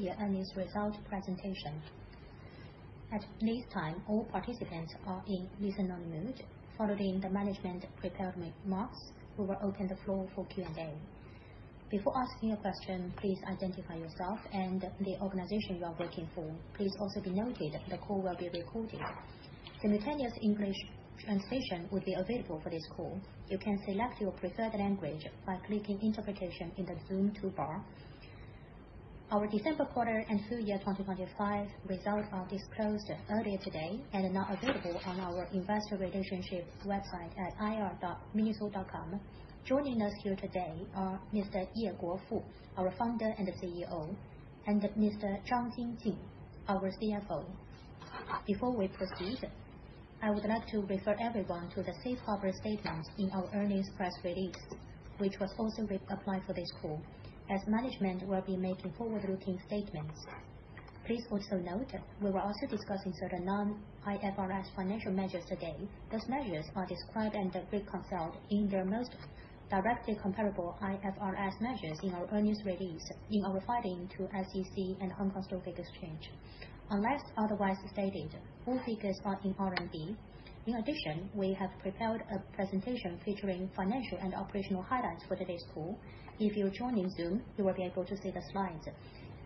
The earnings result presentation. At this time, all participants are in listen-only mode. Following the management prepared remarks, we will open the floor for Q&A. Before asking a question, please identify yourself and the organization you are working for. Please also be noted that the call will be recorded. Simultaneous English translation will be available for this call. You can select your preferred language by clicking Interpretation in the Zoom toolbar. Our December quarter and full year 2025 results are disclosed earlier today and are now available on our investor relationships website at ir.MINISO.com. Joining us here today are Mr. Ye Guofu, our founder and CEO, and Mr. Zhang Jingjing, our CFO. Before we proceed, I would like to refer everyone to the safe harbor statements in our earnings press release, which was also applied for this call. As management will be making forward-looking statements, please also note that we will also be discussing certain non-IFRS financial measures today. Those measures are described and reconciled to their most directly comparable IFRS measures in our earnings release and our filings with the SEC and Hong Kong Stock Exchange. Unless otherwise stated, all figures are in RMB. In addition, we have prepared a presentation featuring financial and operational highlights for today's call. If you join in Zoom, you will be able to see the slides.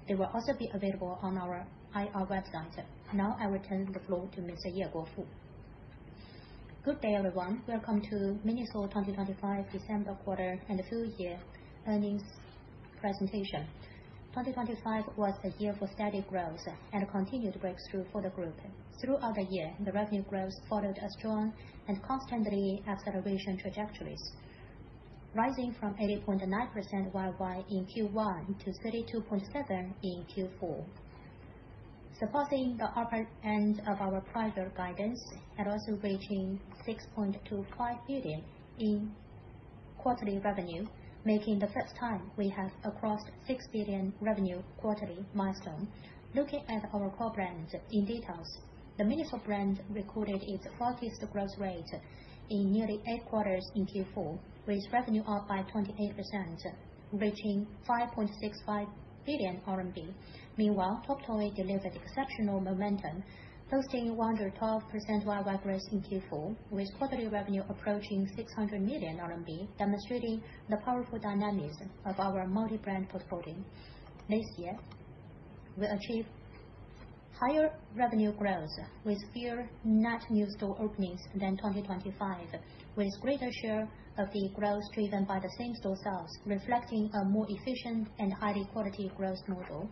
They will also be available on our IR website. Now I return the floor to Mr. Ye Guofu. Good day, everyone. Welcome to MINISO 2025 December quarter and full year earnings presentation. 2025 was the year for steady growth and continued breakthrough for the group. Throughout the year, the revenue growth followed a strong and constant acceleration trajectory, rising from 80.9% YoY in Q1 to 32.7% in Q4. Surpassing the upper end of our prior guidance and also reaching 6.25 billion in quarterly revenue, marking the first time we have crossed 6 billion quarterly revenue milestone. Looking at our core brands in detail, the MINISO brand recorded its fastest growth rate in nearly eight quarters in Q4, with revenue up by 28%, reaching 5.65 billion RMB. Meanwhile, TOP TOY delivered exceptional momentum, posting 112% YoY growth in Q4, with quarterly revenue approaching 600 million RMB, demonstrating the powerful dynamics of our multi-brand portfolio. This year, we achieve higher revenue growth with fewer net new store openings than 2023, with greater share of the growth driven by the same-store sales, reflecting a more efficient and high-quality growth model,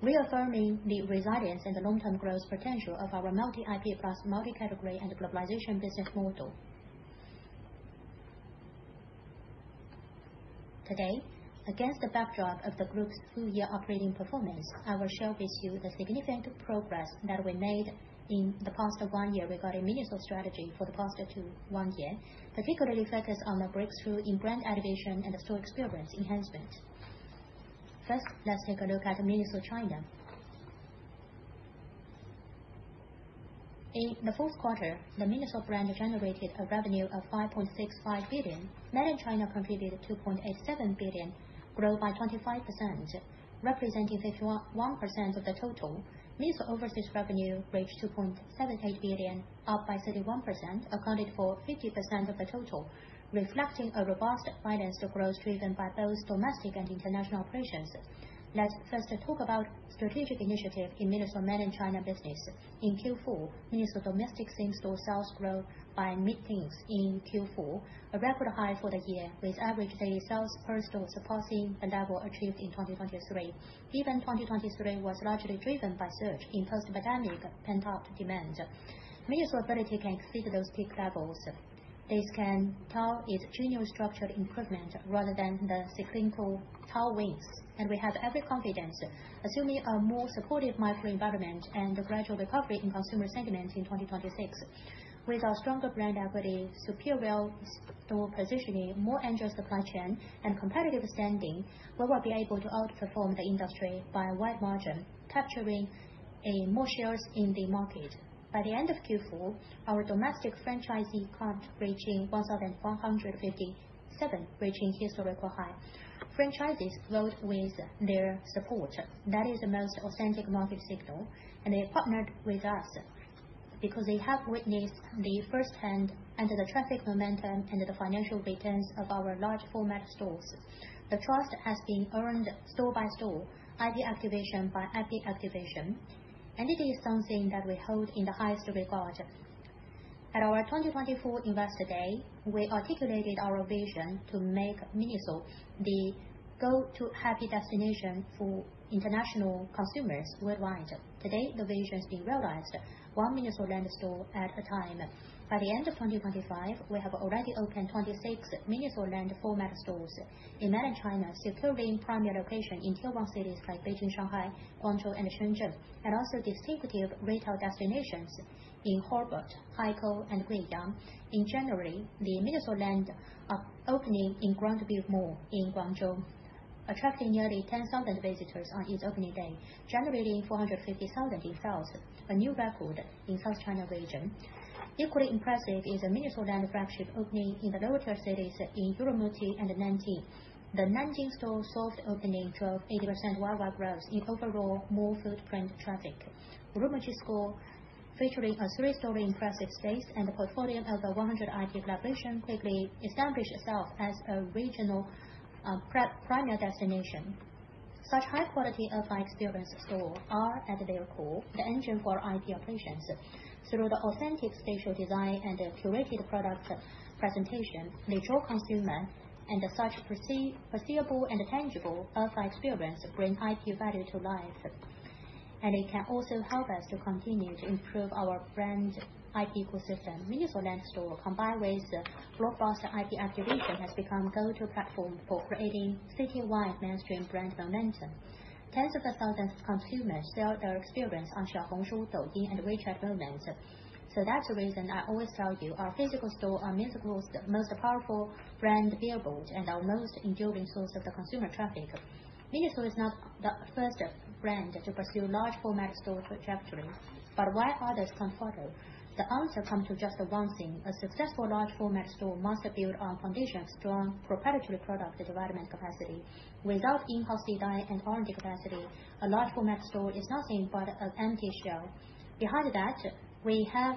reaffirming the resilience and the long-term growth potential of our multi-IP plus multi-category and globalization business model. Today, against the backdrop of the group's full year operating performance, I will share with you the significant progress that we made in the past one year regarding MINISO strategy for the past one year, particularly focused on the breakthrough in brand activation and the store experience enhancement. First, let's take a look at MINISO China. In the fourth quarter, the MINISO brand generated a revenue of 5.65 billion. Mainland China contributed 2.87 billion, growth by 25%, representing 51% of the total. MINISO overseas revenue reached 2.78 billion, up by 31%, accounted for 50% of the total, reflecting a robust financial growth driven by both domestic and international operations. Let's first talk about strategic initiatives in MINISO mainland China business. In Q4, MINISO domestic same-store sales grew by mid-teens in Q4, a record high for the year, with average daily sales per store surpassing the level achieved in 2023. Even 2023 was largely driven by surge in post-pandemic pent-up demand. MINISO ability can exceed those peak levels. This can tell its genuine structural improvement rather than the cyclical tailwinds, and we have every confidence, assuming a more supportive macro environment and a gradual recovery in consumer sentiment in 2026. With our stronger brand equity, superior store positioning, more agile supply chain, and competitive standing, we will be able to outperform the industry by a wide margin, capturing more shares in the market. By the end of Q4, our domestic franchisee count reaching 1,457, reaching historical high. Franchisees vote with their support. That is the most authentic market signal, and they partnered with us because they have witnessed it firsthand, the traffic momentum, and the financial returns of our large format stores. The trust has been earned store by store, IP activation by IP activation, and it is something that we hold in the highest regard. At our 2024 Investor Day, we articulated our vision to make MINISO the go-to happy destination for international consumers worldwide. Today, the vision is being realized one MINISO LAND store at a time. By the end of 2025, we have already opened 26 MINISO LAND format stores in mainland China, securely in primary location in Tier 1 cities like Beijing, Shanghai, Guangzhou, and Shenzhen, and also distinctive retail destinations in Harbin, Haikou, and Guiyang. In January, the MINISO LAND opening in Grandview Mall in Guangzhou, attracting nearly 10,000 visitors on its opening day, generating 450,000 in sales, a new record in South China region. Equally impressive is the MINISO LAND flagship opening in the lower tier cities in Urumqi and Nanjing. The Nanjing store soft opening drove 80% YoY growth in overall mall footprint traffic. Urumqi store, featuring a three-story impressive space and a portfolio of over 100 IP collaborations, quickly established itself as a regional primary destination. Such high quality of experience store are at their core, the engine for IP operations. Through the authentic spatial design and the curated product presentation, they draw consumers in and, as such, the perceivable and tangible in-store experience brings IP value to life. It can also help us to continue to improve our brand IP ecosystem. The MINISO LAND store, combined with blockbuster IP activation, has become the go-to platform for creating citywide mainstream brand momentum. Tens of thousands of consumers share their experience on Xiaohongshu, Douyin, and WeChat Moments. That's the reason I always tell you our physical stores are MINISO's most powerful brand billboard and our most enduring source of consumer traffic. MINISO is not the first brand to pursue large format store trajectory. While others come for photos, the answer comes down to just one thing. A successful large format store must build on the foundation of strong proprietary product development capacity. Without in-house design and R&D capacity, a large format store is nothing but an empty shell. Behind that, we have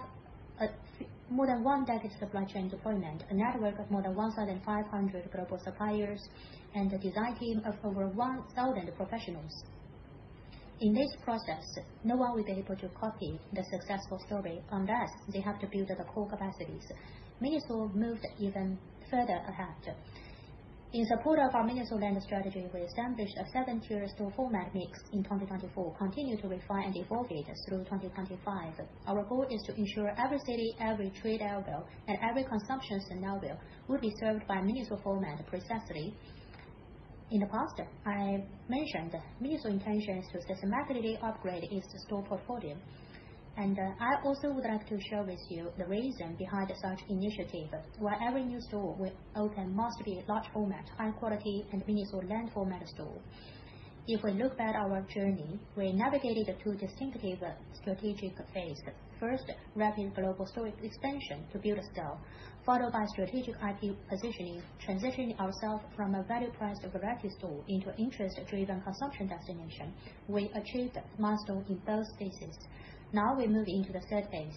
more than one decade supply chain deployment, a network of more than 1,500 global suppliers, and a design team of over 1,000 professionals. In this process, no one will be able to copy the successful story from us. They have to build the core capacities. MINISO moved even further ahead. In support of our MINISO LAND strategy, we established a 7-tier store format mix in 2024, continue to refine and evolve it through 2025. Our goal is to ensure every city, every trade area, and every consumption scenario will be served by MINISO format precisely. In the past, I mentioned MINISO's intentions to systematically upgrade its store portfolio. I also would like to share with you the reason behind such initiative. Why every new store we open must be large format, high quality, and MINISO LAND format store. If we look at our journey, we navigated two distinctive strategic phase. First, rapid global store expansion to build scale, followed by strategic IP positioning, transitioning ourself from a value price variety store into interest-driven consumption destination. We achieved milestone in both phases. Now we move into the third phase,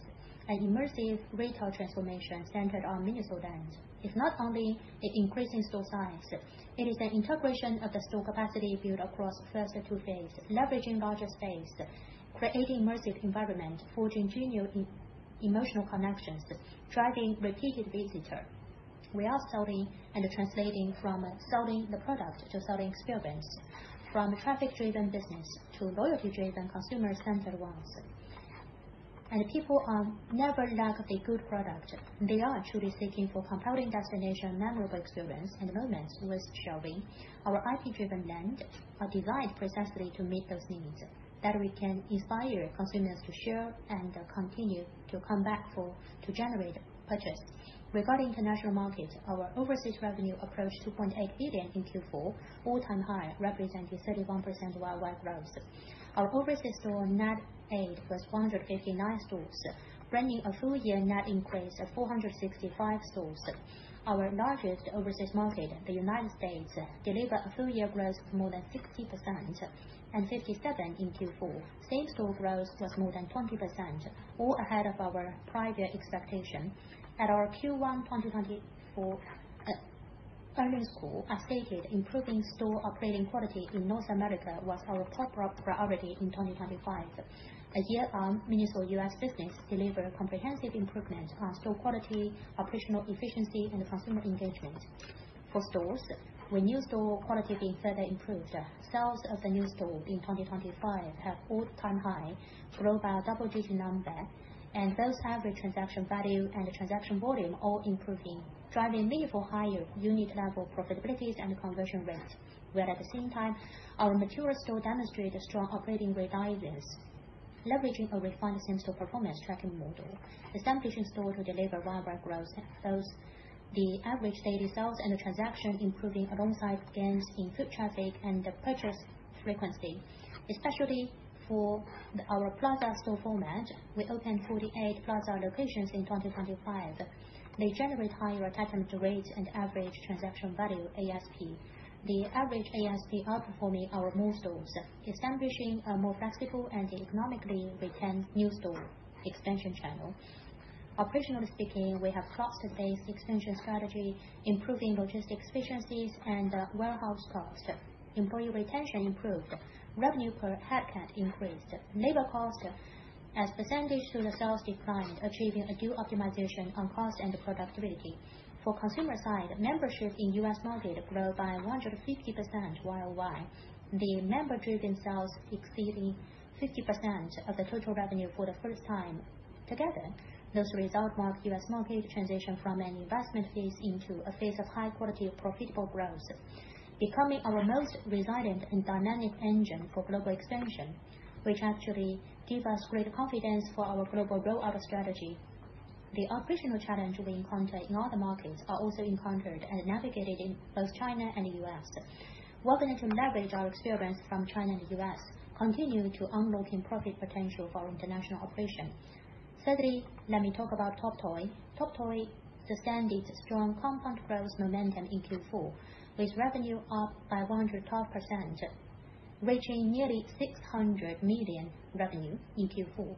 an immersive retail transformation centered on MINISO LAND. It's not only increasing store size, it is an integration of the store capacity built across first two phases, leveraging larger space, creating immersive environment, forging genuine emotional connections, driving repeated visitor. We are selling and translating from selling the product to selling experience, from traffic-driven business to loyalty-driven consumer-centered ones. People are never lack of a good product. They are truly seeking for compelling destination, memorable experience, and moments worth sharing. Our IP-driven land are designed precisely to meet those needs, that we can inspire consumers to share and continue to come back for, to generate purchase. Regarding international market, our overseas revenue approached 2.8 billion in Q4, all-time high, representing 31% YoY growth. Our overseas store net add was 159 stores, bringing a full year net increase of 465 stores. Our largest overseas market, the United States, delivered a full year growth more than 60% and 57% in Q4. Same-store growth was more than 20%, all ahead of our prior expectation. At our Q1 2024 earnings call, I stated improving store operating quality in North America was our top priority in 2025. A year on, MINISO U.S. business delivered comprehensive improvement on store quality, operational efficiency, and consumer engagement. For stores, our new store quality being further improved. Sales of the new store in 2025 have all-time high, grow by a double-digit number, and those average transaction value and transaction volume all improving, driving meaningful higher unit level profitabilities and conversion rate. While at the same time, our mature store demonstrate a strong operating resilience. Leveraging a refined same-store performance tracking model, establishing store to deliver YoY growth, both the average daily sales and the transaction improving alongside gains in foot traffic and the purchase frequency. Especially for our plaza store format, we opened 48 plaza locations in 2025. They generate higher attachment rates and average transaction value, ASP. The average ASP outperforming our mall stores, establishing a more flexible and economically retained new store expansion channel. Operationally speaking, we have cluster-based expansion strategy, improving logistics efficiencies and warehouse cost. Employee retention improved. Revenue per headcount increased. Labor cost as a percentage of sales declined, achieving a dual optimization on cost and productivity. For consumer side, membership in U.S. market grew by 150% YoY. The member-driven sales exceeded 50% of the total revenue for the first time. Together, those results mark U.S. market transition from an investment phase into a phase of high quality profitable growth, becoming our most resilient and dynamic engine for global expansion, which actually gives us great confidence for our global growth strategy. The operational challenges we encounter in other markets are also encountered and navigated in both China and U.S. We are going to leverage our experience from China and the U.S., continuing to unlock profit potential for our international operation. Thirdly, let me talk about TOPTOY. TOPTOY sustained its strong compound growth momentum in Q4, with revenue up by 112%. Reaching nearly 600 million revenue in Q4.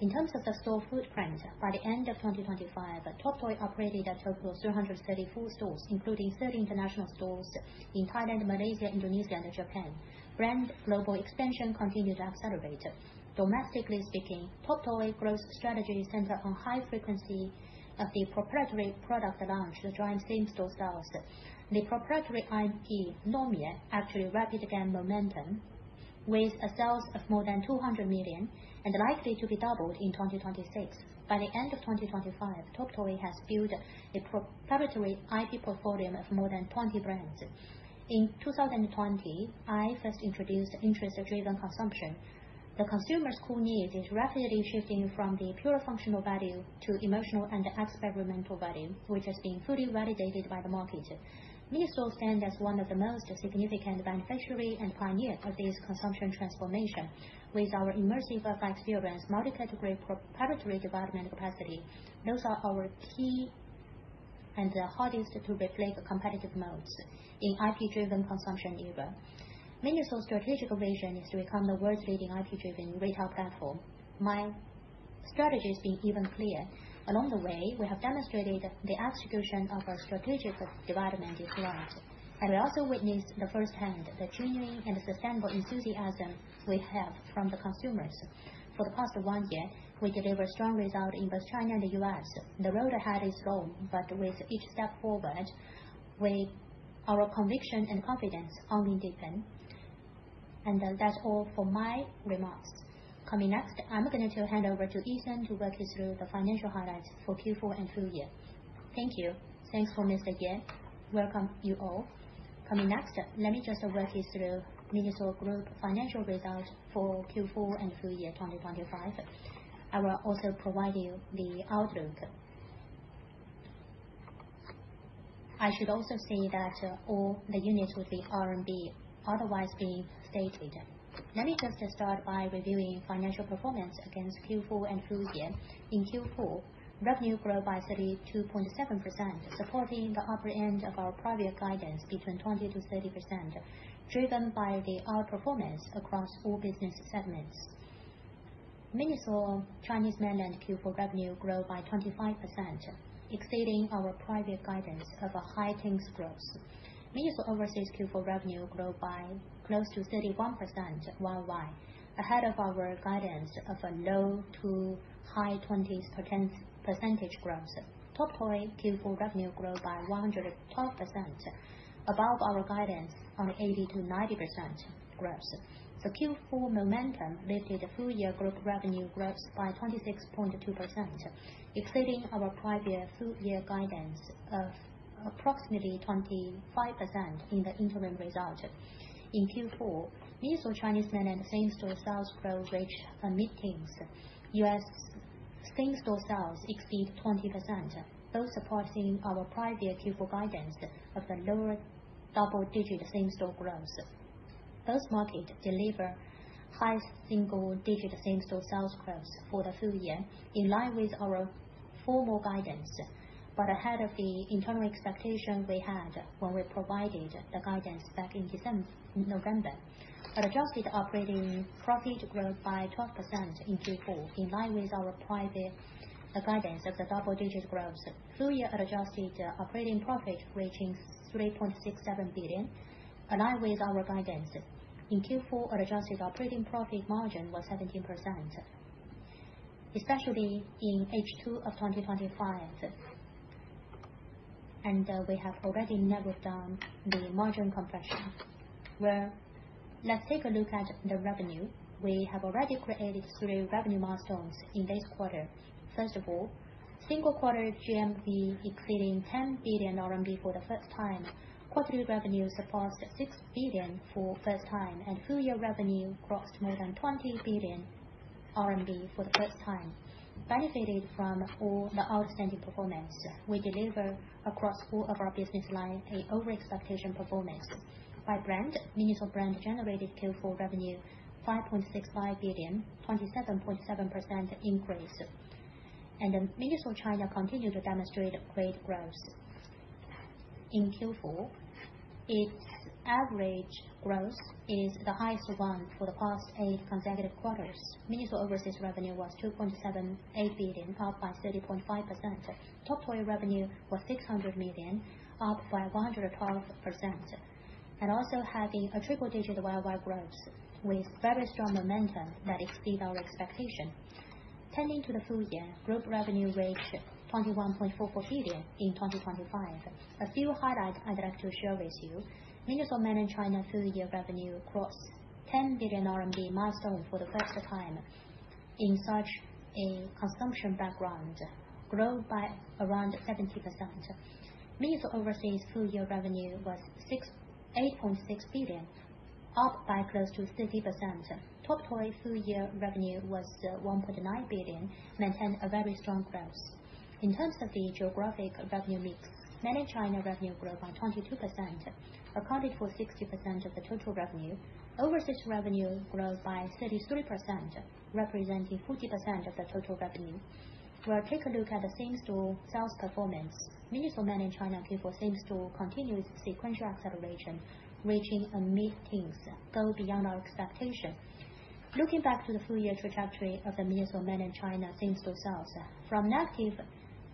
In terms of the store footprints, by the end of 2025, TOP TOY operated a total of 334 stores, including 30 international stores in Thailand, Malaysia, Indonesia, and Japan. Brand global expansion continued to accelerate. Domestically speaking, TOP TOY growth strategy centers on high frequency of the proprietary product launch to drive same-store sales. The proprietary IP, Nomie, actually regained momentum with sales of more than 200 million and likely to be doubled in 2026. By the end of 2025, TOP TOY has built a proprietary IP portfolio of more than 20 brands. In 2020, I first introduced interest-driven consumption. The consumer's core needs is rapidly shifting from the pure functional value to emotional and experiential value, which is being fully validated by the market. MINISO stands as one of the most significant beneficiaries and pioneer of this consumption transformation with our immersive IP experience, multi-category proprietary development capacity. Those are our key and the hardest to replicate competitive moats in IP-driven consumption era. MINISO's strategic vision is to become the world's leading IP-driven retail platform. My strategy is becoming even clearer. Along the way, we have demonstrated the execution of our strategic development is right, and we also witnessed firsthand the genuine and sustainable enthusiasm we have from the consumers. For the past one year, we delivered strong results in both China and the US The road ahead is long, but with each step forward, our conviction and confidence only deepen. That's all for my remarks. Coming next, I'm going to hand over to Eason to walk you through the financial highlights for Q4 and full year. Thank you. Thanks for Ms. Ye. Welcome you all. Coming next, let me just walk you through MINISO Group financial results for Q4 and full year 2025. I will also provide you the outlook. I should also say that all the units will be RMB unless otherwise stated. Let me just start by reviewing financial performance against Q4 and full year. In Q4, revenue grew by 32.7%, supporting the upper end of our private guidance between 20%-30%, driven by the outperformance across all business segments. MINISO China Mainland Q4 revenue grew by 25%, exceeding our private guidance of a high-teens growth. MINISO overseas Q4 revenue grew by close to 31% YoY, ahead of our guidance of a low- to high-20% growth. TOP TOY Q4 revenue grew by 112%, above our guidance of 80%-90% growth. Q4 momentum lifted full-year group revenue growth by 26.2%, exceeding our prior full-year guidance of approximately 25% in the interim result. In Q4, MINISO China Mainland same-store sales growth reached mid-teens. U.S. same-store sales exceed 20%, both supporting our prior Q4 guidance of a lower double-digit same-store growth. Both markets deliver high single-digit same-store sales growth for the full year in line with our formal guidance, but ahead of the internal expectation we had when we provided the guidance back in November. Adjusted operating profit growth by 12% in Q4, in line with our private guidance of the double-digit growth. Full year adjusted operating profit reaching 3.67 billion, in line with our guidance. In Q4, adjusted operating profit margin was 17%, especially in H2 of 2025. We have already narrowed down the margin compression. Well, let's take a look at the revenue. We have already created three revenue milestones in this quarter. First of all, single quarter GMV exceeding 10 billion RMB for the first time. Quarterly revenue surpassed 6 billion for first time, and full year revenue crossed more than 20 billion RMB for the first time. Benefiting from all the outstanding performance, we deliver across all of our business line an over-expectation performance. By brand, MINISO brand generated Q4 revenue 5.65 billion, 27.7% increase. MINISO China continued to demonstrate great growth. In Q4, its average growth is the highest one for the past eight consecutive quarters. MINISO overseas revenue was 2.78 billion, up by 30.5%. TOP TOY revenue was 600 million, up by 112%, and also having a triple digit YoY growth with very strong momentum that exceed our expectation. Turning to the full year, group revenue reached 21.44 billion in 2025. A few highlights I'd like to share with you. MINISO mainland China full-year revenue crossed 10 billion RMB milestone for the first time in such a consumption background, grew by around 70%. MINISO overseas full-year revenue was 8.6 billion, up by close to 30%. TOP TOY full-year revenue was 1.9 billion, maintained a very strong growth. In terms of the geographic revenue mix, mainland China revenue grew by 22%, accounted for 60% of the total revenue. Overseas revenue grows by 33%, representing 40% of the total revenue. We'll take a look at the same-store sales performance. MINISO mainland China Q4 same-store continues its sequential acceleration, reaching mid-teens, going beyond our expectation. Looking back to the full-year trajectory of the MINISO mainland China same-store sales. From negative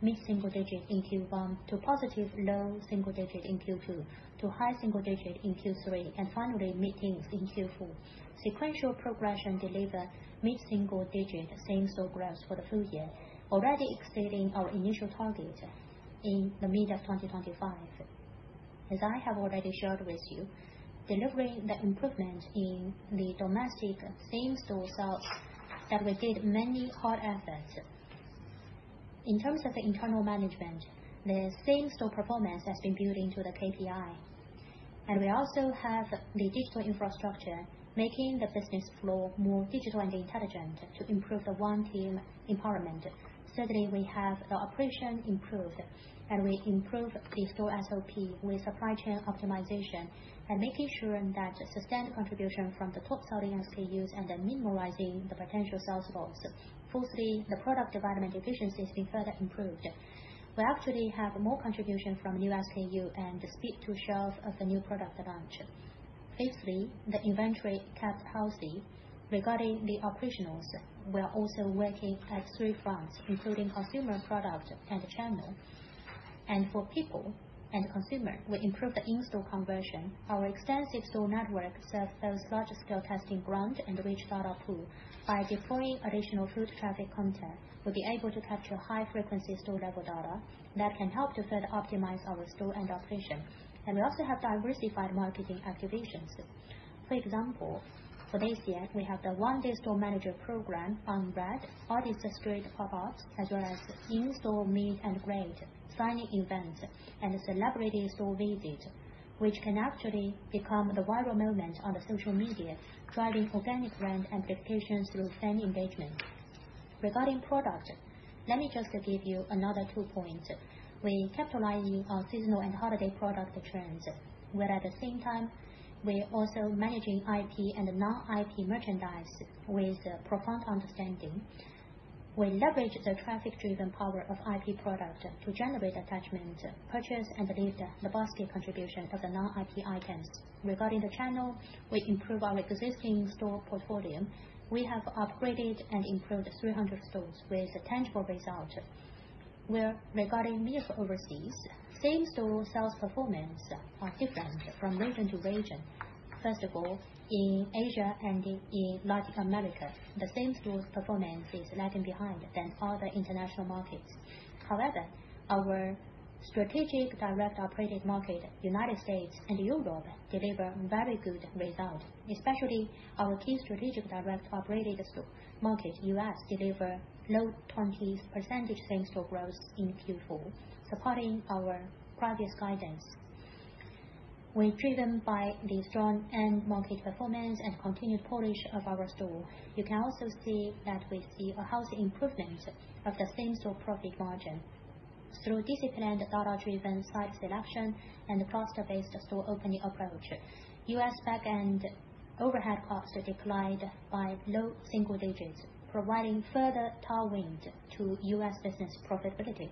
mid-single digits in Q1 to positive low-single-digit in Q2, to high-single-digit in Q3, and finally mid-teens in Q4. Sequential progression delivered mid single digit same-store growth for the full year, already exceeding our initial target in the middle of 2025. As I have already shared with you, delivering the improvement in the domestic same-store sales, that we did many hard efforts. In terms of the internal management, the same-store performance has been built into the KPI. We also have the digital infrastructure, making the business flow more digital and intelligent to improve the one team empowerment. Certainly, we have the operation improved, and we improved the store SOP with supply chain optimization and making sure that sustained contribution from the top selling SKUs and then minimizing the potential sales loss. Fourthly, the product development efficiency has been further improved. We actually have more contribution from new SKU and speed to shelf of the new product launch. Fifthly, the inventory cap policy. Regarding the operations, we are also working at three fronts, including consumer product and channel. For people and consumer, we improve the in-store conversion. Our extensive store network serves as large scale testing ground and rich data pool. By deploying additional foot traffic counter, we're able to capture high frequency store level data that can help to further optimize our store and operation. We also have diversified marketing activations. For example, for this year, we have the one day store manager program on Bread, Artist Street pop-ups, as well as in-store meet and greet, signing events, and celebrity store visit, which can actually become the viral moment on the social media, driving organic brand amplification through fan engagement. Regarding product, let me just give you another two points. We're capitalizing on seasonal and holiday product trends, where at the same time, we're also managing IP and non-IP merchandise with a profound understanding. We leverage the traffic-driven power of IP product to generate attachment, purchase, and lift the basket contribution for the non-IP items. Regarding the channel, we improve our existing store portfolio. We have upgraded and improved 300 stores with a tangible result. Regarding MINISO overseas, same-store sales performance are different from region to region. First of all, in Asia and in Latin America, the same-store performance is lagging behind than other international markets. However, our strategic direct operated market, United States and Europe, deliver very good results, especially our key strategic direct operated store market, U.S., deliver low-20s% same-store growth in Q4, supporting our previous guidance. We're driven by the strong end market performance and continued polish of our store. You can also see that we see a healthy improvement of the same-store profit margin through disciplined data-driven site selection and cluster-based store opening approach. U.S. back end overhead costs declined by low single digits, providing further tailwinds to U.S. business profitability.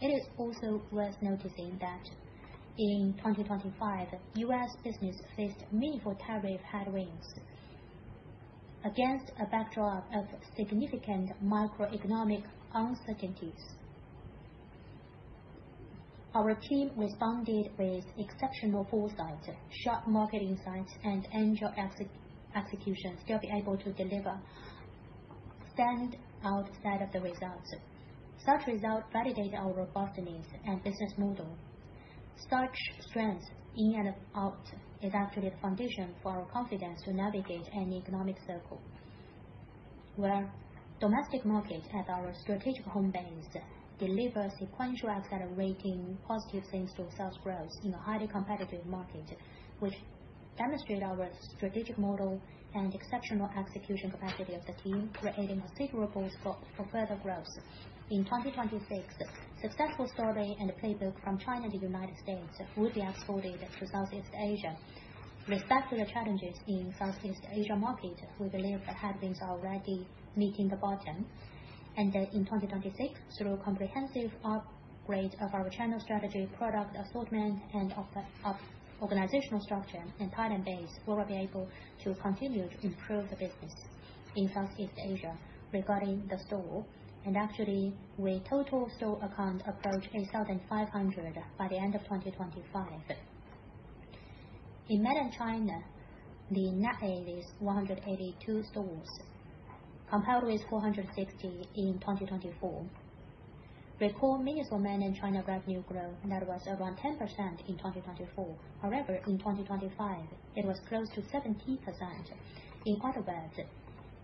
It is also worth noticing that in 2025, U.S. business faced meaningful tariff headwinds. Against a backdrop of significant macroeconomic uncertainties, our team responded with exceptional foresight, sharp marketing insights, and agile execution, still be able to deliver standout set of the results. Such results validate our robustness and business model. Such strength in and out is actually the foundation for our confidence to navigate any economic cycle. While domestic market as our strategic home base deliver sequential accelerating positive same-store sales growth in a highly competitive market, which demonstrate our strategic model and exceptional execution capacity of the team, creating a suitable scope for further growth. In 2026, successful story and playbook from China to United States will be exported to Southeast Asia. With respect to the challenges in Southeast Asia market, we believe the headwinds are already nearing the bottom. That in 2026, through a comprehensive upgrade of our channel strategy, product assortment, and organizational structure and talent base, we will be able to continue to improve the business in Southeast Asia. Regarding the stores, actually, with total store count approaching 8,500 by the end of 2025. In Mainland China, the net add is 182 stores, compared with 460 in 2024. MINISO Mainland China recorded revenue growth that was around 10% in 2024. However, in 2025, it was close to 17%. In other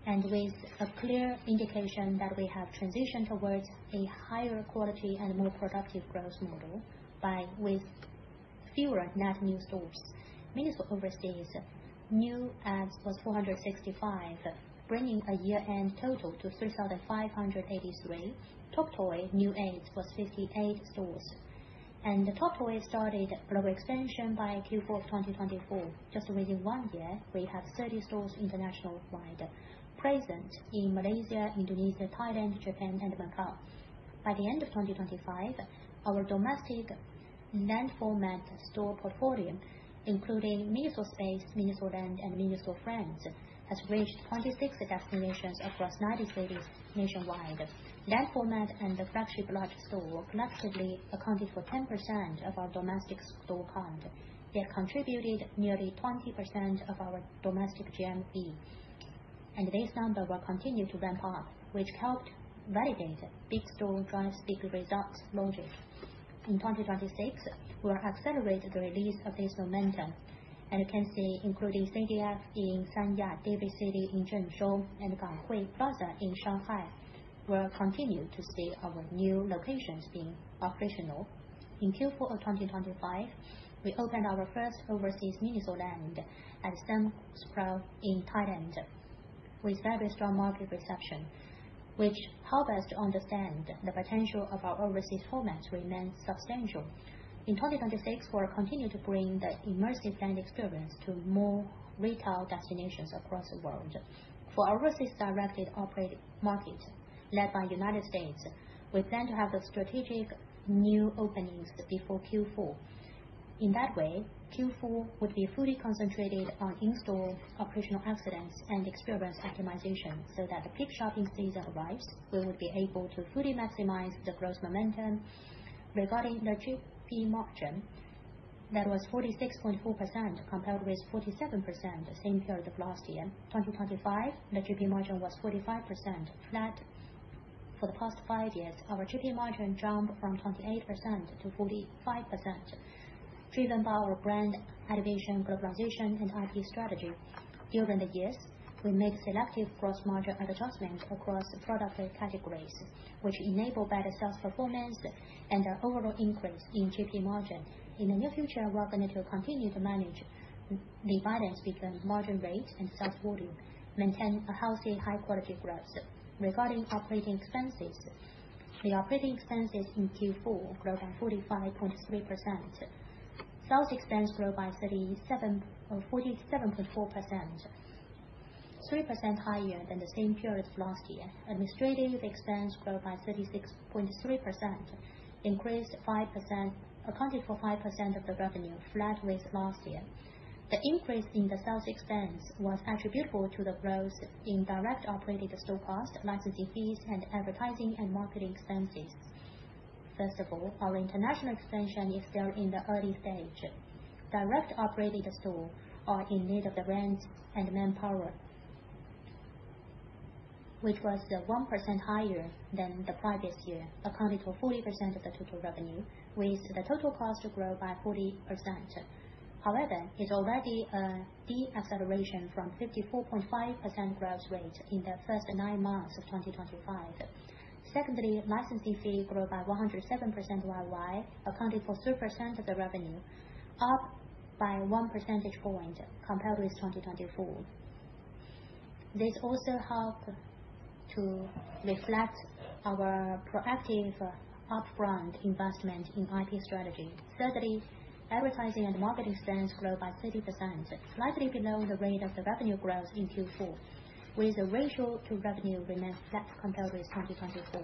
words, with a clear indication that we have transitioned towards a higher quality and more productive growth model with fewer net new stores. MINISO overseas new adds was 465, bringing a year-end total to 3,583. TOP TOY new adds was 58 stores. TOP TOY started global expansion by Q4 of 2024. Just within one year, we have 30 stores international wide, present in Malaysia, Indonesia, Thailand, Japan, and Macau. By the end of 2025, our domestic land format store portfolio, including MINISO SPACE, MINISO LAND, and MINISO FRIENDS, has reached 26 destinations across 90 cities nationwide. That format and the flagship large store collectively accounted for 10% of our domestic store count, yet contributed nearly 20% of our domestic GMV. This number will continue to ramp up, which helped validate big store drives big results logic. In 2026, we'll accelerate the release of this momentum and you can see, including CDF in Sanya, David City in Zhengzhou, and Grand Gateway 66 in Shanghai, we'll continue to see our new locations being operational. In Q4 of 2025, we opened our first overseas MINISO LAND at Siam Paragon in Thailand with very strong market reception, which helped us to understand the potential of our overseas formats remains substantial. In 2026, we'll continue to bring the immersive land experience to more retail destinations across the world. For overseas directed operating markets, led by United States, we plan to have the strategic new openings before Q4. In that way, Q4 would be fully concentrated on in-store operational excellence and experience optimization, so that the peak shopping season arrives, we will be able to fully maximize the growth momentum. Regarding the GP margin, that was 46.4% compared with 47% the same period of last year. In 2025, the GP margin was 45%, flat for the past five years. Our GP margin jumped from 28%-45%, driven by our brand activation, globalization, and IP strategy. During the years, we made selective gross margin adjustments across product categories, which enable better sales performance and an overall increase in GP margin. In the near future, we're going to continue to manage the balance between margin rate and sales volume, maintain a healthy high-quality growth. Regarding operating expenses, the operating expenses in Q4 grew by 45.3%. Sales expense grew by 47.4%, 3% higher than the same period last year. Administrative expense grew by 36.3%, accounted for 5% of the revenue, flat with last year. The increase in the sales expense was attributable to the growth in direct operated store costs, licensing fees, and advertising and marketing expenses. First of all, our international expansion is still in the early stage. Direct operating stores are in need of rent and manpower, which was 1% higher than the previous year, accounted for 40% of the total revenue, with total costs growing by 40%. However, it's already a deceleration from 54.5% growth rate in the first nine months of 2025. Secondly, licensing fee grew by 107% year-over-year, accounting for 3% of the revenue, up by one percentage point compared with 2024. This also helps to reflect our proactive upfront investment in IP strategy. Thirdly, advertising and marketing expense grew by 30%, slightly below the rate of the revenue growth in Q4, with the ratio to revenue remaining flat compared with 2024.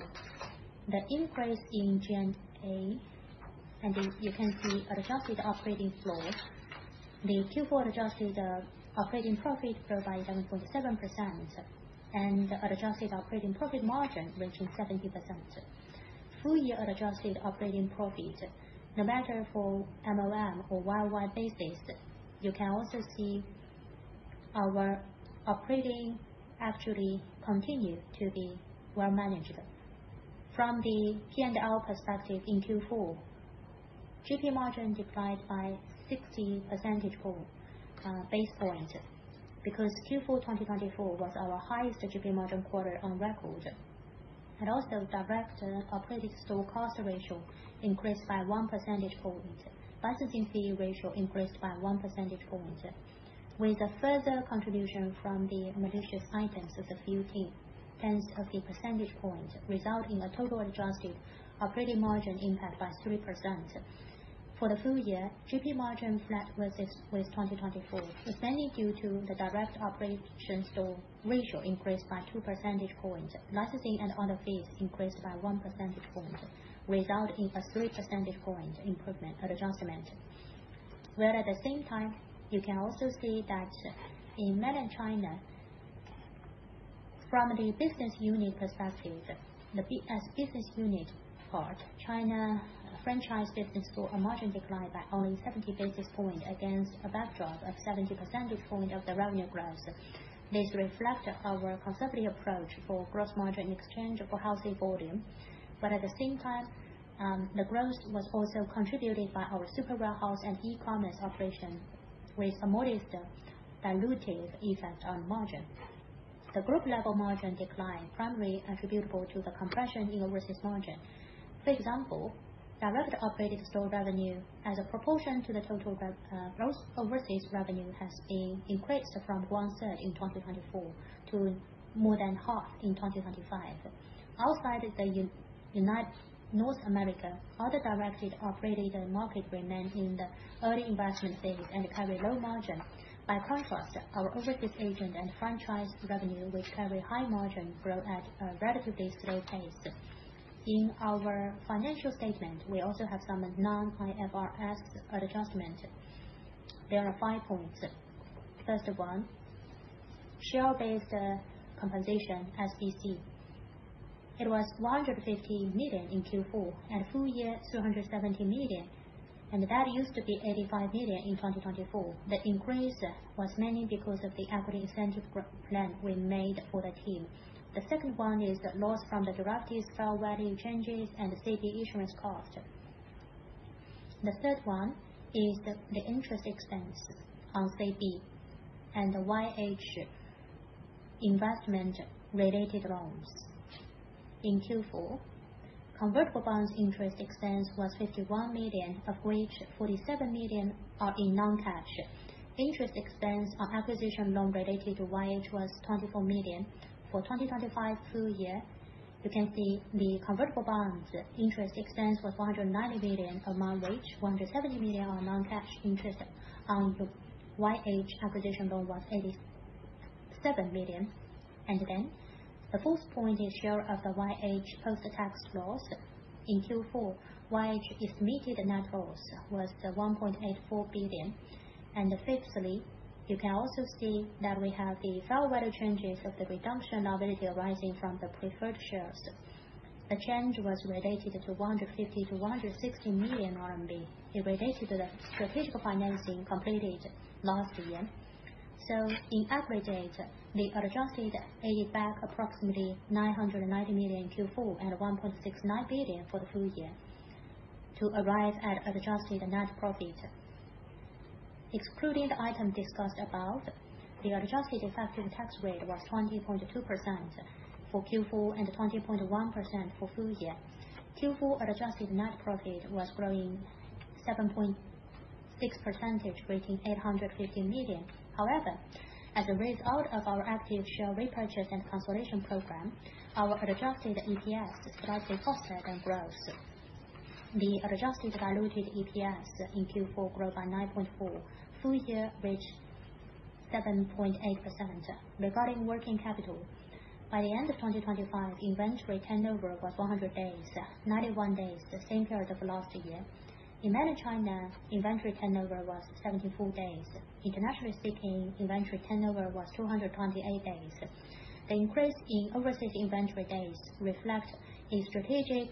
The increase in G&A, and you can see adjusted operating profit. The Q4 adjusted operating profit grew by 7.7%, and adjusted operating profit margin reaching 70%. Full year adjusted operating profit, no matter for MoM or year-over-year basis, you can also see our operating actually continued to be well managed. From the P&L perspective, in Q4, GP margin declined by 60 basis points, because Q4 2024 was our highest GP margin quarter on record. Also direct operating store cost ratio increased by 1 percentage point. Licensing fee ratio increased by 1 percentage point, with a further contribution from the licensed items of the IP team, tens of basis points, result in a total adjusted operating margin impact by 3%. For the full year, GP margin flat versus 2024, mainly due to the direct operating store ratio increased by 2 percentage points. Licensing and other fees increased by 1 percentage point, resulting in a 3 percentage points improvement adjustment. Whereas at the same time, you can also see that in mainland China, from the business unit perspective, the BS business unit part, China franchise business store margin declined by only 70 basis points against a backdrop of 70 percentage points of the revenue growth. This reflect our conservative approach for gross margin exchange for healthy volume. At the same time, the growth was also contributed by our Super Warehouse and e-commerce operation with a modest dilutive effect on margin. The group level margin decline is primarily attributable to the compression in overseas margin. For example, direct operated store revenue as a proportion to the total gross overseas revenue has been increased from 1/3 in 2024 to more than half in 2025. Outside North America. Other directed operating market remained in the early investment phase and carry low margin. By contrast, our objective agent and franchise revenue, which carry high margin, grow at a relatively slow pace. In our financial statement, we also have some non-IFRS adjustment. There are five points. First one, share-based compensation, SBC. It was 150 million in Q4 and full year 270 million, and that used to be 85 million in 2024. The increase was mainly because of the equity incentive plan we made for the team. The second one is the loss from the derivatives, fair value changes and CB issuance cost. The third one is the interest expense on CB and the YH investment related loans. In Q4, convertible bonds interest expense was 51 million, of which 47 million are in non-cash. Interest expense on acquisition loan related to YH was 24 million. For 2025 full year, you can see the convertible bonds interest expense was 190 million, among which 170 million are non-cash interest on the YH acquisition loan was 87 million. The fourth point is share of the YH post-tax loss. In Q4, YH's immediate net loss was 1.84 billion. Fifthly, you can also see that we have the fair value changes of the redemption liability arising from the preferred shares. The change was related to 150 million-160 million RMB. It related to the strategic financing completed last year. In aggregate, the adjustments added back approximately 990 million in Q4 and 1.69 billion for the full year to arrive at adjusted net profit. Excluding the item discussed above, the adjusted effective tax rate was 20.2% for Q4 and 20.1% for full year. Q4 adjusted net profit was growing 7.6%, reaching 815 million. However, as a result of our active share repurchase and consolidation program, our adjusted EPS grew slightly faster than growth. The adjusted diluted EPS in Q4 grew by 9.4%. Full year reached 7.8%. Regarding working capital, by the end of 2025, inventory turnover was 100 days, 91 days in the same period of last year. In Greater China, inventory turnover was 74 days. International inventory turnover was 228 days. The increase in overseas inventory days reflects a strategic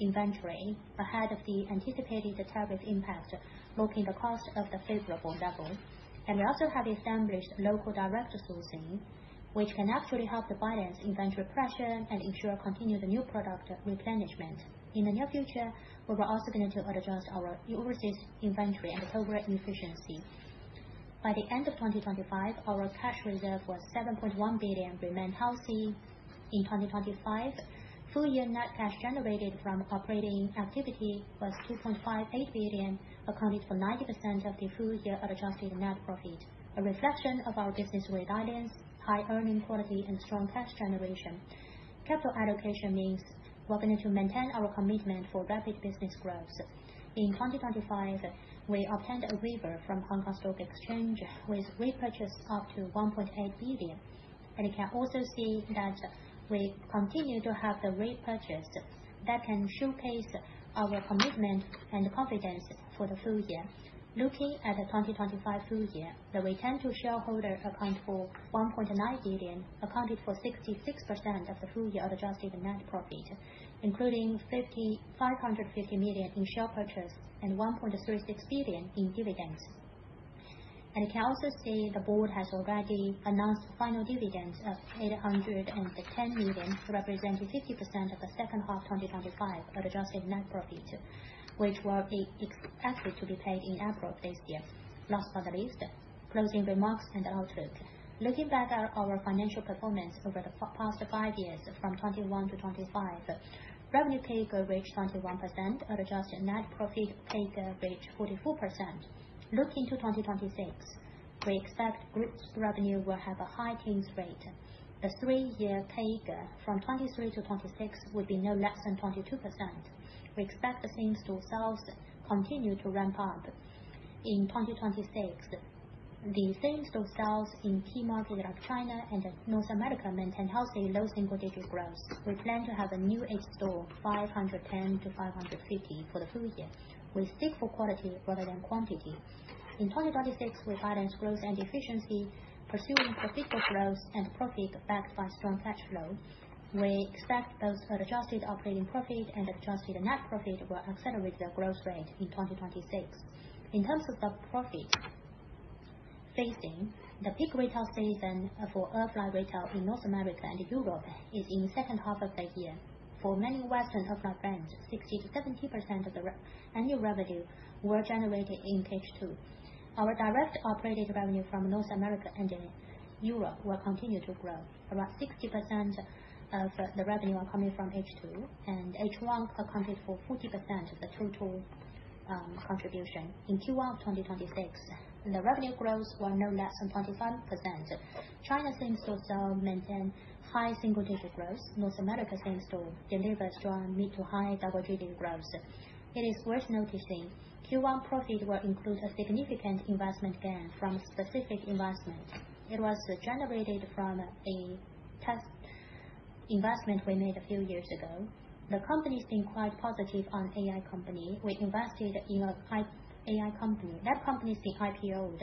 inventory ahead of the anticipated traffic impact, locking in the cost at the favorable level. We also have established local direct sourcing, which can actually help to balance inventory pressure and ensure continued new product replenishment. In the near future, we are also going to adjust our overseas inventory and overall efficiency. By the end of 2025, our cash reserve was 7.1 billion and remained healthy. In 2025, full year net cash generated from operating activity was 2.58 billion, accounted for 90% of the full year adjusted net profit. A reflection of our business resilience, high earning quality and strong cash generation. Capital allocation means we're going to maintain our commitment for rapid business growth. In 2025, we obtained approval from Hong Kong Stock Exchange with repurchase up to 1.8 billion. You can also see that we continue to have the repurchase that can showcase our commitment and confidence for the full year. Looking at the 2025 full year, the return to shareholders account for 1.9 billion, accounted for 66% of the full year adjusted net profit, including 550 million in share purchase and 1.36 billion in dividends. You can also see the board has already announced final dividends of 810 million, representing 50% of the second half 2025 adjusted net profit, which will be expected to be paid in April this year. Last but not least, closing remarks and outlook. Looking back at our financial performance over the past five years, from 2021 to 2025, revenue CAGR reached 21%, adjusted net profit CAGR reached 44%. Looking to 2026, we expect group's revenue will have a high teens rate. The three-year CAGR from 2023 to 2026 will be no less than 22%. We expect the same-store sales continue to ramp up in 2026. The same-store sales in key markets like China and North America maintain healthy low single-digit growth. We plan to have a new store 510-550 for the full year. We stick for quality rather than quantity. In 2026, we balance growth and efficiency, pursuing profitable growth and profit backed by strong cash flow. We expect those adjusted operating profit and adjusted net profit will accelerate their growth rate in 2026. In terms of the profit phasing, the peak retail season for offline retail in North America and Europe is in the second half of the year. For many Western offline brands, 60%-70% of the annual revenue were generated in H2. Our direct operated revenue from North America and Europe will continue to grow. Around 60% of the revenue are coming from H2, and H1 accounted for 40% of the total contribution. In Q1 2026, the revenue growth were no less than 25%. China same-store sales maintain high single-digit growth, most same-store per store delivers strong mid- to high double-digit growth. It is worth noticing, Q1 profit will include a significant investment gain from specific investment. It was generated from a test investment we made a few years ago. The company's been quite positive on AI company. We invested in a type AI company. That company's been IPO'd.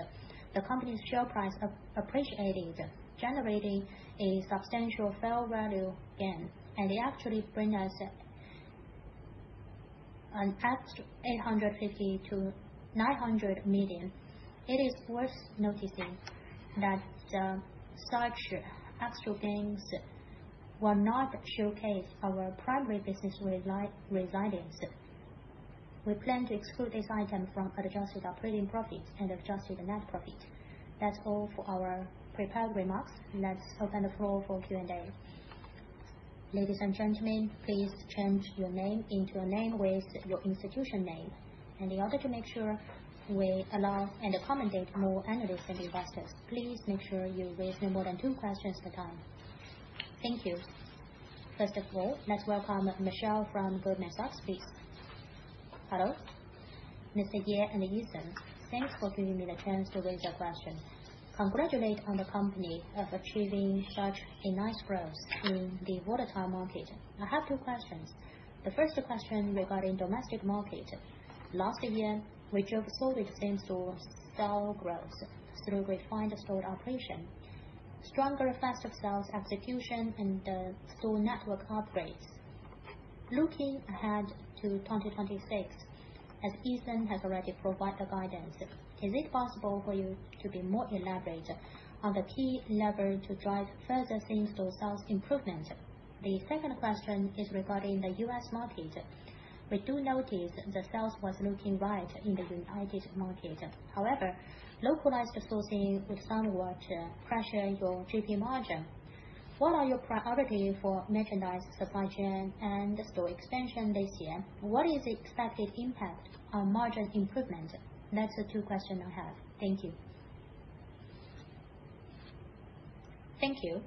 The company's share price appreciated, generating a substantial fair value gain, and it actually bring us an extra 850 million-900 million. It is worth noticing that such extra gains will not showcase our primary business resilience. We plan to exclude this item from adjusted operating profits and adjusted net profit. That's all for our prepared remarks. Let's open the floor for Q&A. Ladies and gentlemen, please change your name into a name with your institution name. In order to make sure we allow and accommodate more analysts and investors, please make sure you raise no more than two questions at a time. Thank you. First of all, let's welcome Michelle from Goldman Sachs. Please. Hello. Mr. Ye and Eason, thanks for giving me the chance to raise a question. Congratulations on the company achieving such a nice growth in the volatile market. I have two questions. The first question is regarding the domestic market. Last year, we observed same-store sales growth through refined store operation, stronger, faster sales execution, and store network upgrades. Looking ahead to 2026, as Eason has already provided guidance, is it possible for you to be more elaborate on the key lever to drive further same-store sales improvement? The second question is regarding the U.S. market. We do notice the sales was looking bright in the U.S. market. However, localized sourcing would somewhat pressure your GP margin. What are your priorities for merchandise supply chain and store expansion this year? What is the expected impact on margin improvement? That's the two questions I have. Thank you. Thank you.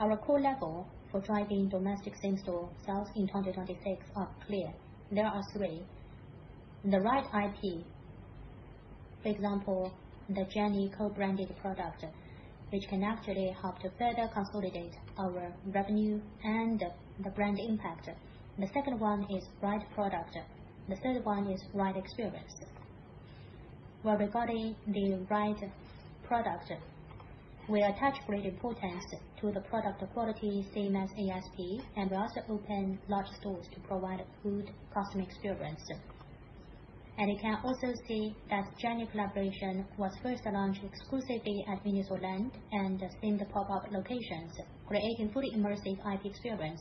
Our core level for driving domestic same-store sales in 2026 are clear. There are three. The right IP. For example, the JENNIE co-branded product, which can actually help to further consolidate our revenue and the brand impact. The second one is right product. The third one is right experience. Well, regarding the right product, we attach great importance to the product quality, same as ASP, and we also open large stores to provide a good customer experience. You can also see that JENNIE collaboration was first launched exclusively at MINISO LAND and themed pop-up locations, creating fully immersive IP experience.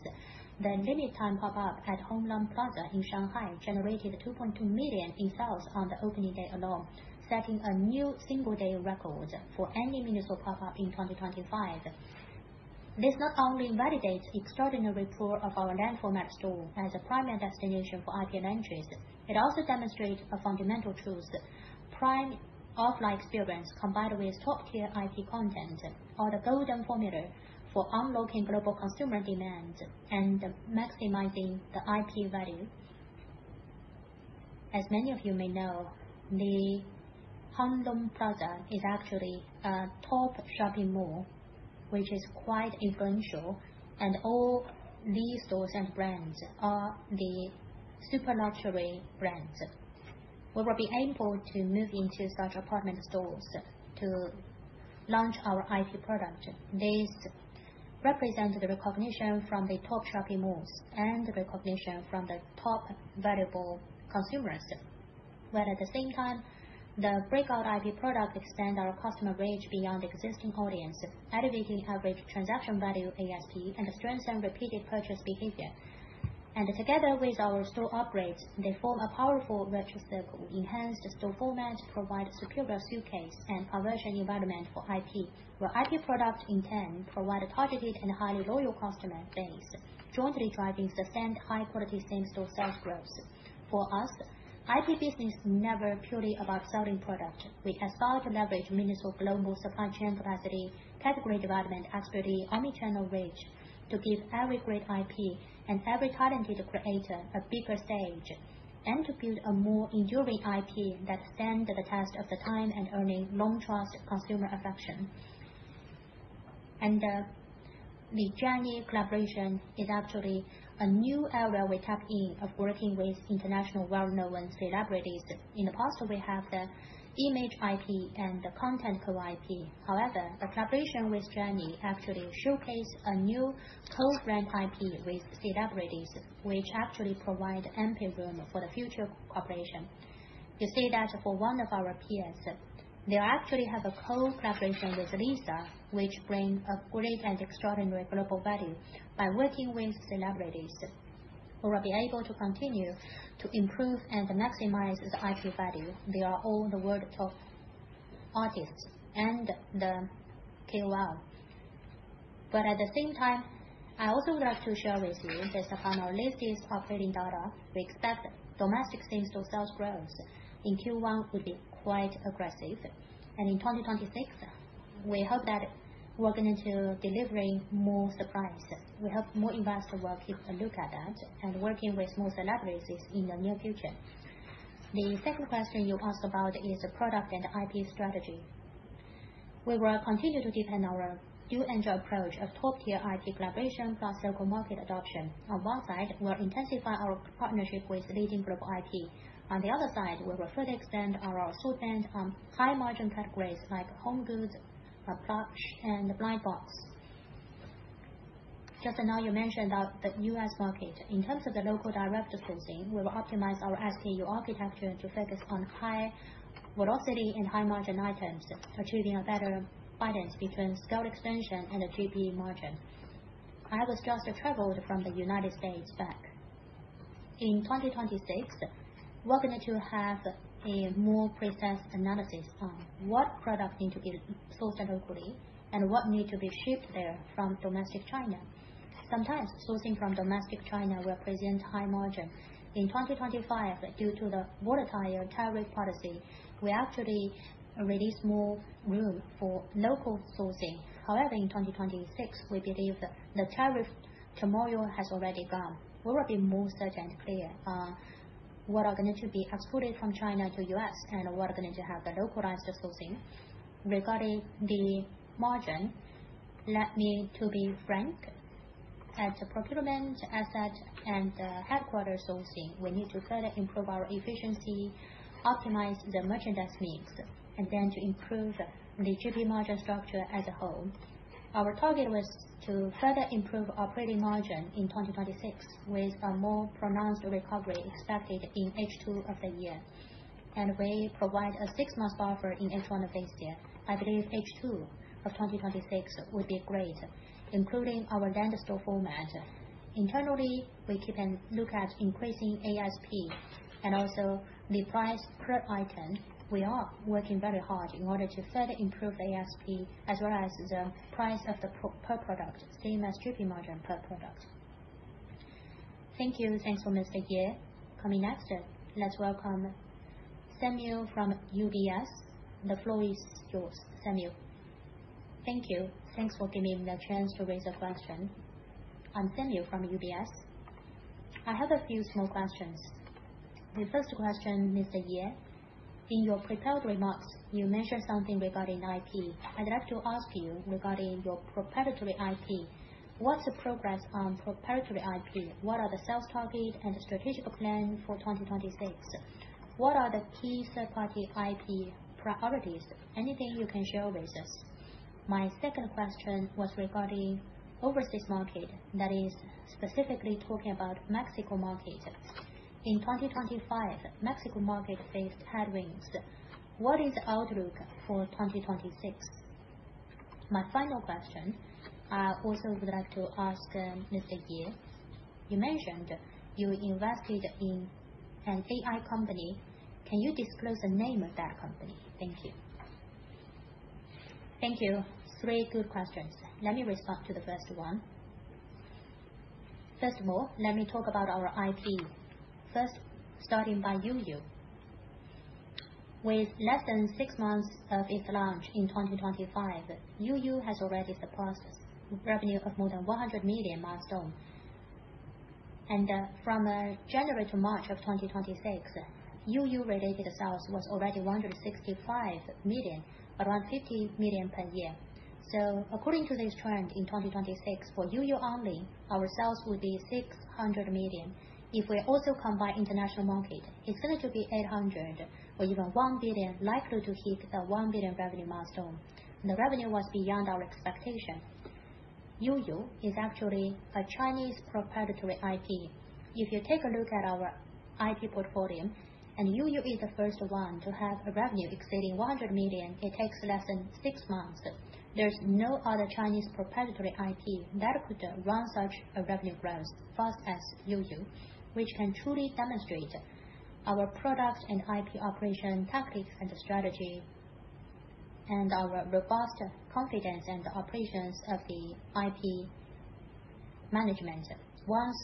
The limited time pop-up at Hang Lung Plaza in Shanghai generated 2.2 million in sales on the opening day alone, setting a new single-day record for any MINISO pop-up in 2025. This not only validates extraordinary pull of our land format store as a primary destination for IP launches, it also demonstrates a fundamental truth. Prime offline experience combined with top-tier IP content are the golden formula for unlocking global consumer demand and maximizing the IP value. As many of you may know, the Hang Lung Plaza is actually a top shopping mall, which is quite influential, and all these stores and brands are the super luxury brands. We will be able to move into such department stores to launch our IP product. This represents the recognition from the top shopping malls and the recognition from the top valuable consumers. At the same time, the breakout IP product extend our customer range beyond existing audience, elevating average transaction value ASP and strengthen repeated purchase behavior. Together with our store upgrades, they form a powerful virtuous circle, enhance the store format, provide superior showcase and conversion environment for IP, where IP product in turn provide a targeted and highly loyal customer base, jointly driving sustained high quality same-store sales growth. For us, IP business never purely about selling product. We can start to leverage MINISO global supply chain capacity, category development expertise, omni-channel reach to give every great IP and every talented creator a bigger stage, and to build a more enduring IP that stand the test of the time and earning long trust consumer affection. The JENNIE collaboration is actually a new era we tap into of working with international well-known celebrities. In the past, we have the image IP and the content co-IP. However, a collaboration with JENNIE actually showcase a new co-brand IP with celebrities, which actually provide ample room for the future cooperation. You see that for one of our peers, they actually have a close collaboration with Lisa, which bring a great and extraordinary global value by working with celebrities. We will be able to continue to improve and maximize the IP value. They are all the world top artists and the KOL. At the same time, I also would like to share with you based upon our latest operating data, we expect domestic same-store sales growth in Q1 will be quite aggressive. In 2026, we hope that we're going to be delivering more surprises. We hope more investors will take a look at that and working with more celebrities in the near future. The second question you asked about is the product and IP strategy. We will continue to deepen our dual-engine approach of top-tier IP collaboration plus local market adoption. On one side, we'll intensify our partnership with leading global IP. On the other side, we will further extend our store spend on high-margin categories like home goods, plush, and blind box. Just now you mentioned the U.S. market. In terms of the local direct sourcing, we will optimize our SKU architecture to focus on high velocity and high-margin items, achieving a better balance between scale extension and the GP margin. I have just traveled from the United States back. In 2026, we're going to have a more precise analysis on what product need to be sourced locally and what need to be shipped there from domestic China. Sometimes sourcing from domestic China will present high margin. In 2025, due to the volatile tariff policy, we actually released more room for local sourcing However, in 2026, we believe the tariff turmoil has already gone. We will be more certain and clear on what are going to be exported from China to U.S. and what are going to have the localized sourcing. Regarding the margin, let me be frank. At the procurement aspect and the headquarters sourcing, we need to further improve our efficiency, optimize the merchandise mix, and then to improve the GP margin structure as a whole. Our target was to further improve operating margin in 2026 with a more pronounced recovery expected in H2 of the year. We provide a six-month offer in H1 of this year. I believe H2 of 2026 will be great, including our LAND store format. Internally, we keep an eye on increasing ASP and also the price per item. We are working very hard in order to further improve the ASP as well as the price per product, as well as GP margin per product. Thank you. Thanks for Mr. Ye. Coming next, let's welcome Samuel from UBS. The floor is yours, Samuel. Thank you. Thanks for giving the chance to raise a question. I'm Samuel from UBS. I have a few small questions. The first question, Mr. Ye, in your prepared remarks, you mentioned something regarding IP. I'd like to ask you regarding your proprietary IP. What's the progress on proprietary IP? What are the sales target and strategic plan for 2026? What are the key third-party IP priorities? Anything you can share with us. My second question was regarding overseas market. That is specifically talking about Mexico market. In 2025, Mexico market faced headwinds. What is the outlook for 2026? My final question, I also would like to ask Mr. Ye. You mentioned you invested in an AI company. Can you disclose the name of that company? Thank you. Thank you. Three good questions. Let me respond to the first one. First of all, let me talk about our IP. First, starting by YuYu. With less than six months of its launch in 2025, YuYu has already surpassed revenue of more than 100 million milestone. From January to March of 2026, YuYu related sales was already 165 million, around 50 million per year. According to this trend in 2026, for YuYu only, our sales will be 600 million. If we also combine international market, it's going to be 800 million or even 1 billion, likely to hit a 1 billion revenue milestone. The revenue was beyond our expectation. YuYu is actually a Chinese proprietary IP. If you take a look at our IP portfolio, YuYu is the first one to have a revenue exceeding 100 million, it takes less than six months. There's no other Chinese proprietary IP that could run such a revenue growth as fast as YuYu, which can truly demonstrate our product and IP operation tactics and strategy, and our robust confidence in the operations of the IP management. Once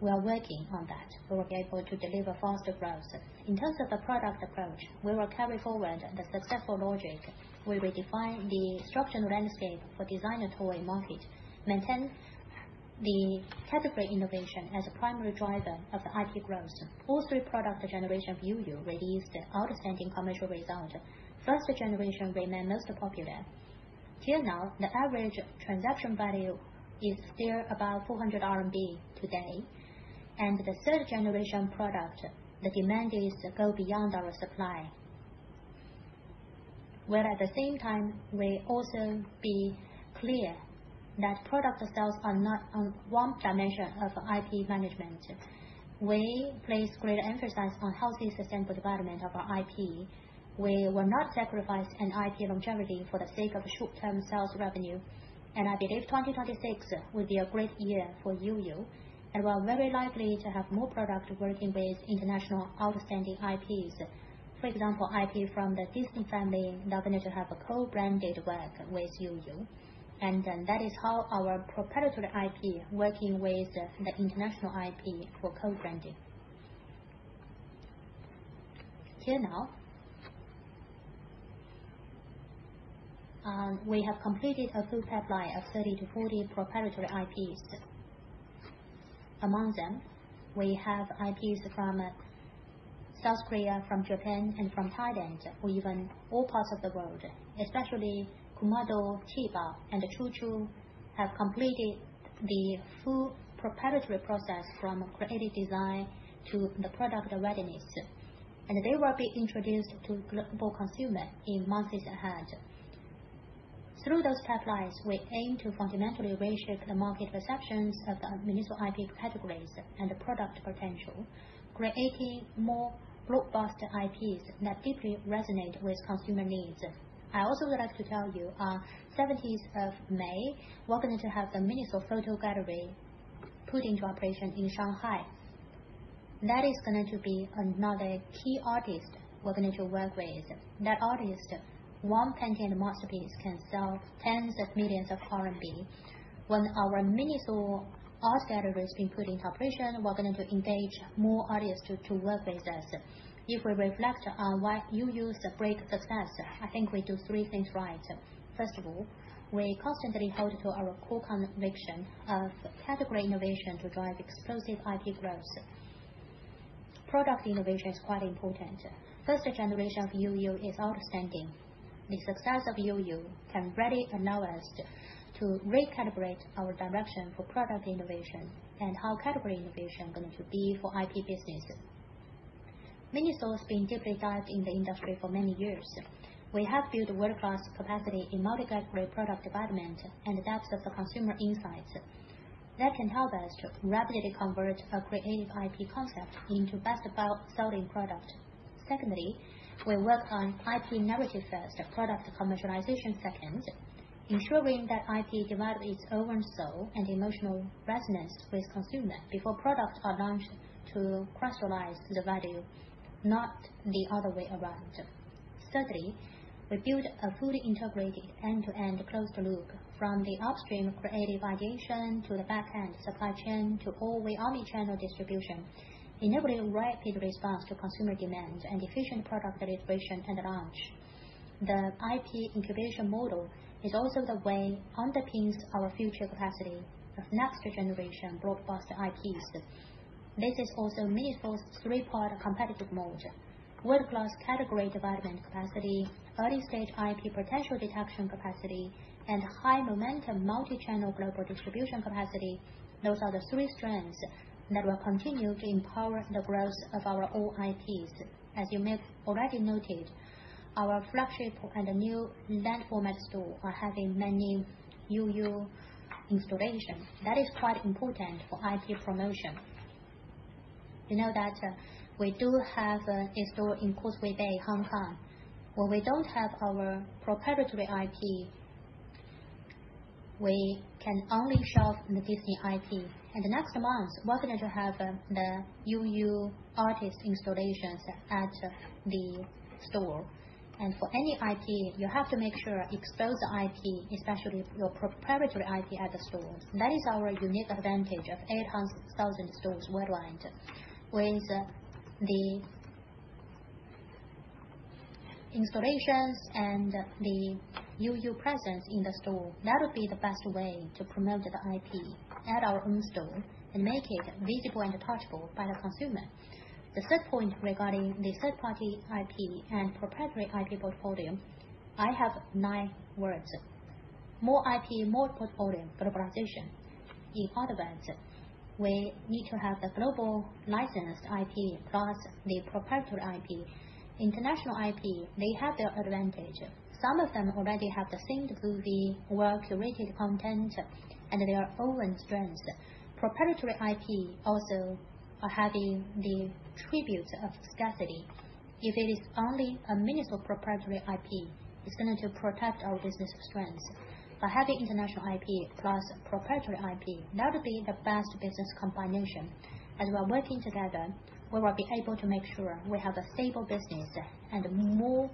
we are working on that, we will be able to deliver faster growth. In terms of the product approach, we will carry forward the successful logic. We redefine the structural landscape for designer toy market, maintain the category innovation as a primary driver of the IP growth. All three product generation of YuYu released outstanding commercial result. First generation remain most popular. Till now, the average transaction value is still about 400 RMB today. The third generation product, the demand is go beyond our supply. Where at the same time, we also be clear that product sales are not one dimension of IP management. We place great emphasis on healthy, sustainable development of our IP. We will not sacrifice an IP longevity for the sake of short-term sales revenue. I believe 2026 will be a great year for YuYu, and we're very likely to have more product working with international outstanding IPs. For example, IP from the Disney family that are going to have a co-branded work with YuYu. That is how our proprietary IP working with the international IP for co-branding. Till now, we have completed a full pipeline of 30-40 proprietary IPs. Among them, we have IPs from South Korea, from Japan, and from Thailand, or even all parts of the world. Especially Kumade, Chiba, and Chuchu have completed the full proprietary process from creative design to the product readiness, and they will be introduced to global consumer in months ahead. Through those pipelines, we aim to fundamentally reshape the market perceptions of the MINISO IP categories and product potential, creating more robust IPs that deeply resonate with consumer needs. I also would like to tell you, on the 17th of May, we're going to have the MINISO photo gallery put into operation in Shanghai. That is going to be another key artist we're going to work with. That artist, one painting masterpiece can sell tens of millions CNY. When our MINISO art gallery has been put into operation, we're going to engage more artists to work with us. If we reflect on why YuYu is a great success, I think we do three things right. First of all, we constantly hold to our core conviction of category innovation to drive explosive IP growth. Product innovation is quite important. First generation of YuYu is outstanding. The success of YuYu can really allow us to recalibrate our direction for product innovation, and how category innovation is going to be for IP business. MINISO has been deeply involved in the industry for many years. We have built world-class capacity in multi-category product development and the depth of consumer insights. That can help us to rapidly convert a creative IP concept into best-selling product. Secondly, we work on IP narrative first, product commercialization second, ensuring that IP develop its own soul and emotional resonance with consumer before products are launched to crystallize the value, not the other way around. Thirdly, we built a fully integrated end-to-end closed loop from the upstream creative ideation to the back-end supply chain, to all the omni-channel distribution, enabling rapid response to consumer demands and efficient product iteration and launch. The IP incubation model is also the way underpins our future capacity of next generation blockbuster IPs. This is also MINISO's three-part competitive mode. World-class category development capacity, early-stage IP potential detection capacity, and high momentum multi-channel global distribution capacity. Those are the three strands that will continue to empower the growth of our all IPs. As you may have already noted, our flagship and new event format store are having many YuYu installations. That is quite important for IP promotion. You know that we do have a store in Causeway Bay, Hong Kong, where we don't have our proprietary IP. We can only show the Disney IP. In the next months, we're going to have the YuYu artist installations at the store. For any IP, you have to make sure expose the IP, especially your proprietary IP at the stores. That is our unique advantage of 800,000 stores worldwide. With the installations and the YuYu presence in the store, that will be the best way to promote the IP at our own store and make it visible and touchable by the consumer. The third point regarding the third-party IP and proprietary IP portfolio, I have nine words. More IP, more portfolio globalization. In other words, we need to have the global licensed IP plus the proprietary IP. International IP, they have their advantage. Some of them already have the same groovy, well-curated content and their own strengths. Proprietary IP also are having the attribute of scarcity. If it is only a MINISO proprietary IP, it's going to protect our business strengths. By having international IP plus proprietary IP, that will be the best business combination. As we're working together, we will be able to make sure we have a stable business and more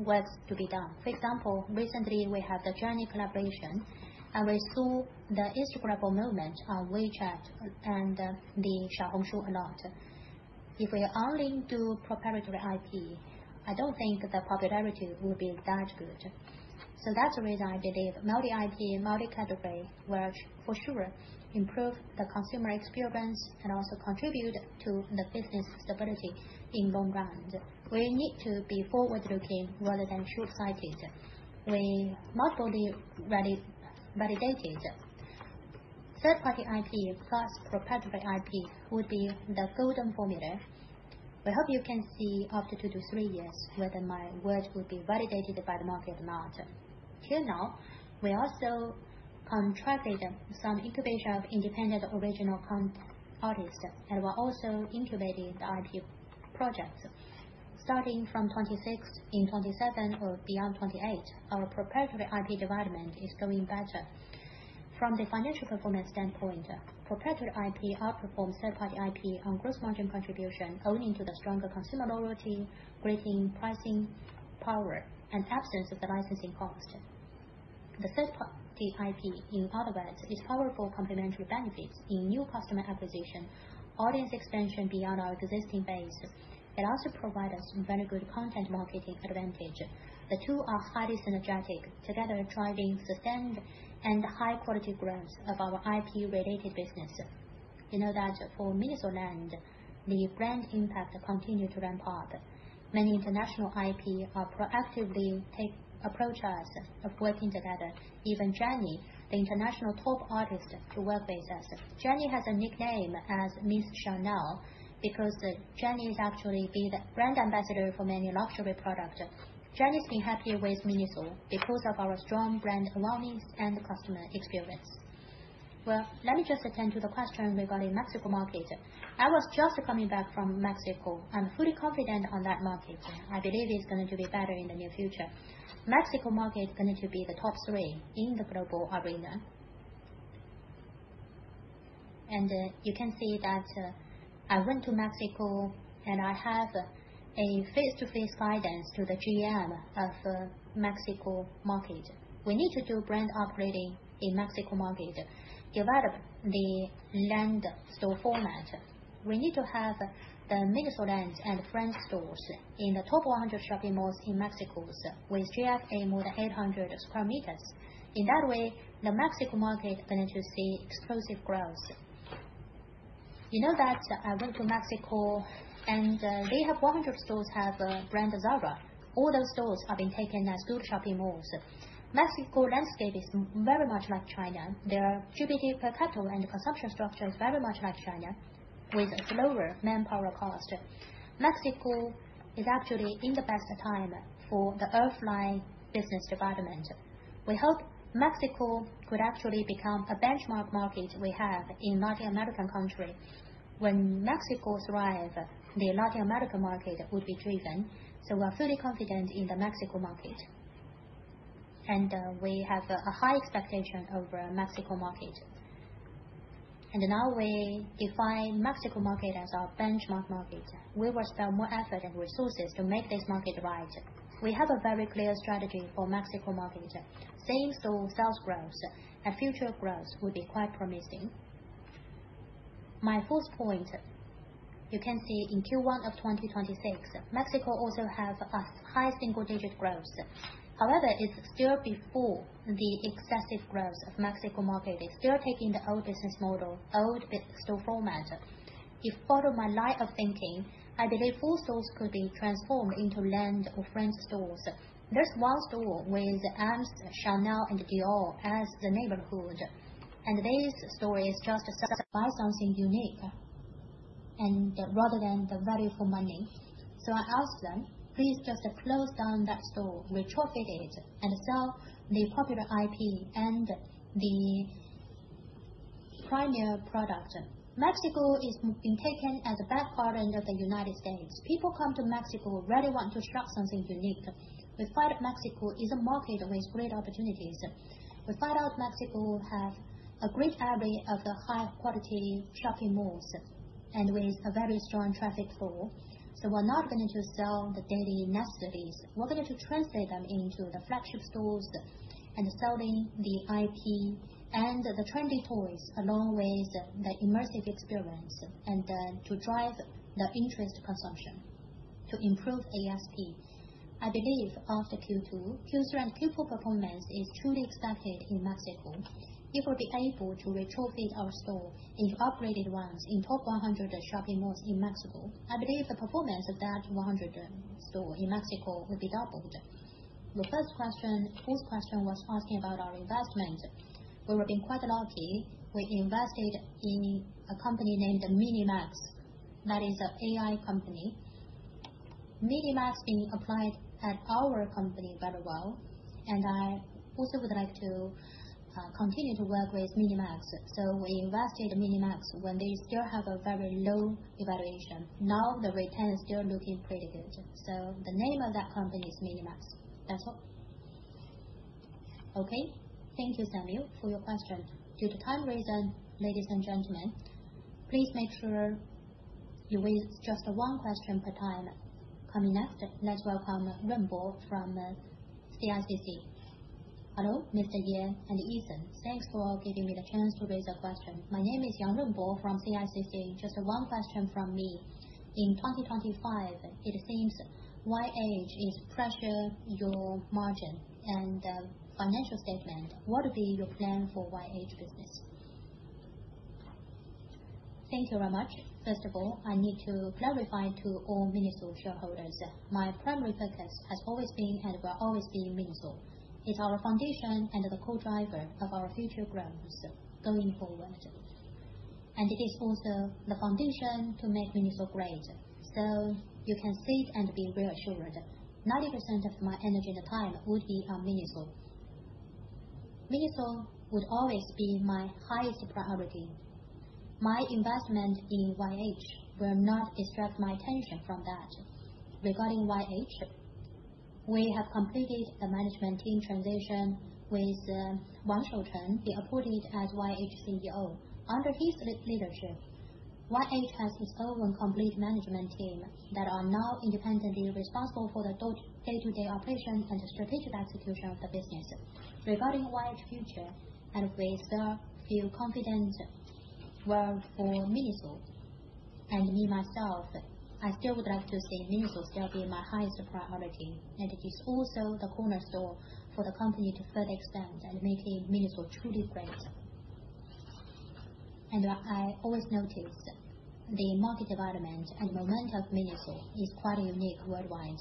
work to be done. For example, recently we have the Journey collaboration, and we saw the Instagrammable moment on WeChat and the Xiaohongshu a lot. If we only do proprietary IP, I don't think the popularity will be that good. That's the reason I believe multi-IP, multi-category will for sure improve the consumer experience and also contribute to the business stability in long run. We need to be forward-looking rather than short-sighted. We multi-validated. Third-party IP plus proprietary IP would be the golden formula. We hope you can see after 2-3 years whether my words will be validated by the market or not. Till now, we also contracted some incubation of independent original artists, and we're also incubating the IP projects. Starting from 2026 in 2027 or beyond 2028, our proprietary IP development is going better. From the financial performance standpoint, proprietary IP outperforms third-party IP on gross margin contribution, owing to the stronger consumer loyalty, bringing pricing power, and absence of the licensing cost. The third part, the IP, in other words, is powerful complementary benefits in new customer acquisition, audience expansion beyond our existing base. It also provide us some very good content marketing advantage. The two are highly synergistic, together driving sustained and high quality growth of our IP-related business. You know that for MINISO LAND, the brand impact continue to ramp up. Many international IP are proactively approach us of working together. Even JENNIE, the international top artist, to work with us. JENNIE has a nickname as Ms. Chanel, because JENNIE is actually the brand ambassador for many luxury product. JENNIE's been happy with MINISO because of our strong brand awareness and customer experience. Well, let me just attend to the question regarding Mexico market. I was just coming back from Mexico. I'm fully confident on that market. I believe it's going to be better in the near future. Mexico market is going to be the top three in the global arena. You can see that I went to Mexico and I have a face-to-face guidance to the GM of Mexico market. We need to do brand upgrading in Mexico market, develop the land store format. We need to have the MINISO LAND and MINISO friends stores in the top 100 shopping malls in Mexico with GFA more than 800 sq m. In that way, the Mexico market going to see explosive growth. You know that I went to Mexico and they have 100 stores have brand Zara. All those stores have been taken as good shopping malls. Mexico landscape is very much like China. Their GDP per capita and consumption structure is very much like China with lower manpower cost. Mexico is actually in the best time for the offline business development. We hope Mexico could actually become a benchmark market we have in Latin American country. When Mexico thrive, the Latin America market would be driven, so we are fully confident in the Mexico market. We have a high expectation of Mexico market. Now we define Mexico market as our benchmark market. We will spend more effort and resources to make this market right. We have a very clear strategy for Mexico market. Same-store sales growth and future growth will be quite promising. My fourth point, you can see in Q1 of 2026, Mexico also have a high single-digit growth. However, it's still before the excessive growth of Mexico market. It's still taking the old business model, old store format. If follow my line of thinking, I believe 4 stores could be transformed into Land or Friends stores. There's one store with Hermès, Chanel, and Dior as the neighborhood. This store is just buy something unique and rather than the value for money. I asked them, please just close down that store, retrofit it, and sell the popular IP and the premium product. Mexico is being taken as the back garden of the United States. People come to Mexico really want to shop something unique. We find Mexico is a market with great opportunities. We find out Mexico have a great array of the high-quality shopping malls and with a very strong traffic flow. We're not going to sell the daily necessities. We're going to translate them into the flagship stores and selling the IP and the trendy toys along with the immersive experience, and to drive the incremental consumption to improve ASP. I believe after Q2, Q3, and Q4 performance is truly expected in Mexico. It will be able to retrofit our store into upgraded ones in top 100 shopping malls in Mexico. I believe the performance of that 100 store in Mexico will be doubled. The first question, this question was asking about our investment. We have been quite lucky. We invested in a company named MiniMax. That is an AI company. MiniMax being applied at our company very well, and I also would like to continue to work with MiniMax. We invested in MiniMax when they still have a very low valuation. Now the return is still looking pretty good. The name of that company is MiniMax. That's all. Okay. Thank you, Samuel, for your question. Due to time reason, ladies and gentlemen, please make sure you raise just one question per time. Coming next, let's welcome Runbo from CICC. Hello, Mr. Ye and Eason. Thanks for giving me the chance to raise a question. My name is Runbo Yang from CICC. Just one question from me. In 2025, it seems Yonghui is pressuring your margin and financial statement. What will be your plan for Yonghui business? Thank you very much. First of all, I need to clarify to all MINISO shareholders, my primary focus has always been and will always be MINISO. It's our foundation and the core driver of our future growth going forward. It is also the foundation to make MINISO great. So you can sit and be reassured. 90% of my energy and time would be on MINISO. MINISO would always be my highest priority. My investment in YH will not distract my attention from that. Regarding YH, we have completed the management team transition with Wang Shoucheng be appointed as YH CEO. Under his leadership, YH has its own complete management team that are now independently responsible for the day-to-day operations and strategic execution of the business. Regarding YH future, we still feel confident. Well, for MINISO, me myself, I still would like to say MINISO will still be my highest priority. It is also the cornerstone for the company to further expand and making MINISO truly great. I always notice the market development and momentum of MINISO is quite unique worldwide.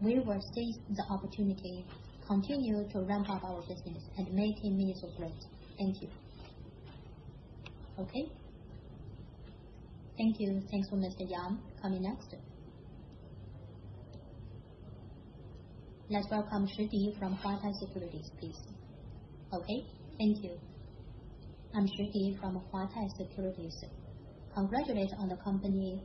We will seize the opportunity, continue to ramp up our business, and making MINISO great. Thank you. Okay? Thank you. Thanks for Mr. Ye. Coming next. Let's welcome Shi Di from Huatai Securities, please. Okay. Thank you. I'm Shi Di from Huatai Securities. Congratulations on the company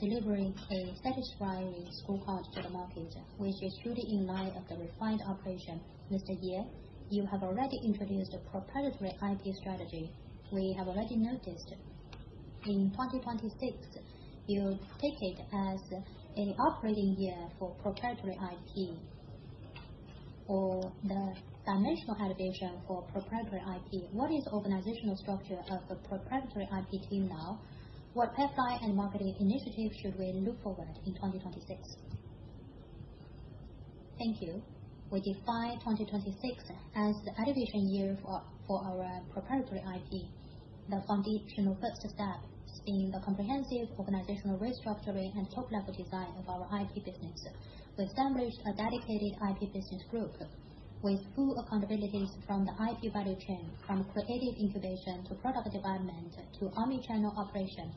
delivering a satisfying scorecard to the market, which is truly in line with the refined operation. Mr. Ye, you have already introduced a proprietary IP strategy. We have already noticed in 2026, you take it as an operating year for proprietary IP or the dimensional elevation for proprietary IP. What is organizational structure of the proprietary IP team now? What pathway and marketing initiative should we look forward to in 2026? Thank you. We define 2026 as the elevation year for our proprietary IP, the foundational first steps in the comprehensive organizational restructuring and top-level design of our IP business. We established a dedicated IP business group with full accountabilities from the IP value chain, from creative incubation, to product development, to omni-channel operation.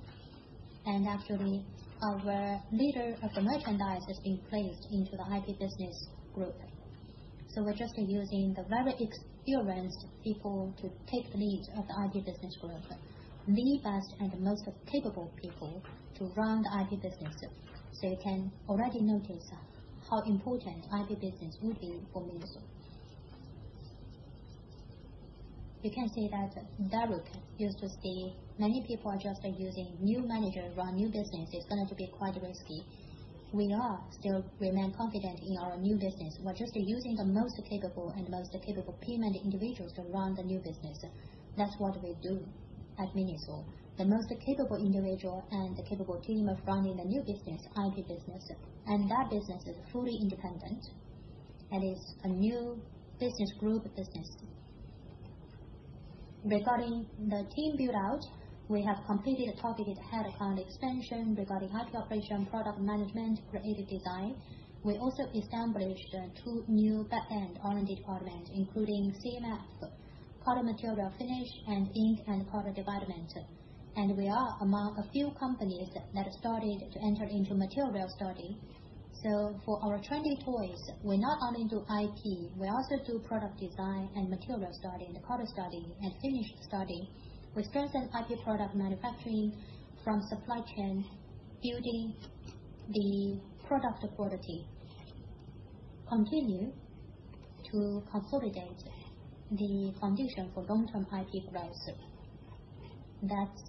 Actually, our leader of the merchandise has been placed into the IP business group. We're just using the very experienced people to take lead of the IP business group. Leave us and the most capable people to run the IP business. You can already notice how important IP business will be for MINISO. You can see that in that look, you will see many people are just using new manager to run new business. It's going to be quite risky. We are still remain confident in our new business. We're just using the most capable and most capable payment individuals to run the new business. That's what we do at MINISO. The most capable individual and the capable team are running the new business, IP business, and that business is fully independent and is a new business group business. Regarding the team build-out, we have completed a targeted headcount expansion regarding IP operation, product management, creative design. We also established 2 new back-end R&D departments, including CMF, color, material, finish, and ink and color development. We are among a few companies that started to enter into material study. For our trendy toys, we not only do IP, we also do product design and material study, the color study and finish study. We strengthen IP product manufacturing from supply chain, building the product quality, continue to consolidate the foundation for long-term IP growth. That's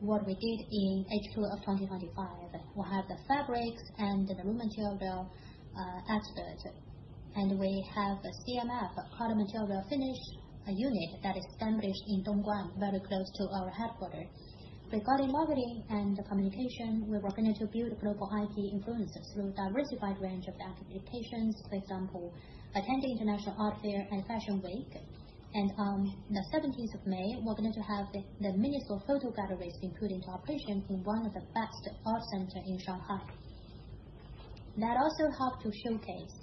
what we did in H2 of 2025. We have the fabrics and the raw material experts, and we have a CMF, color, material, finish, unit that established in Dongguan, very close to our headquarters. Regarding marketing and communication, we're working to build global IP influencers through a diversified range of applications. For example, attending international art fair and fashion week. On the 17th of May, we're going to have the MINISO photo galleries to put into operation in one of the best art centers in Shanghai. That also help to showcase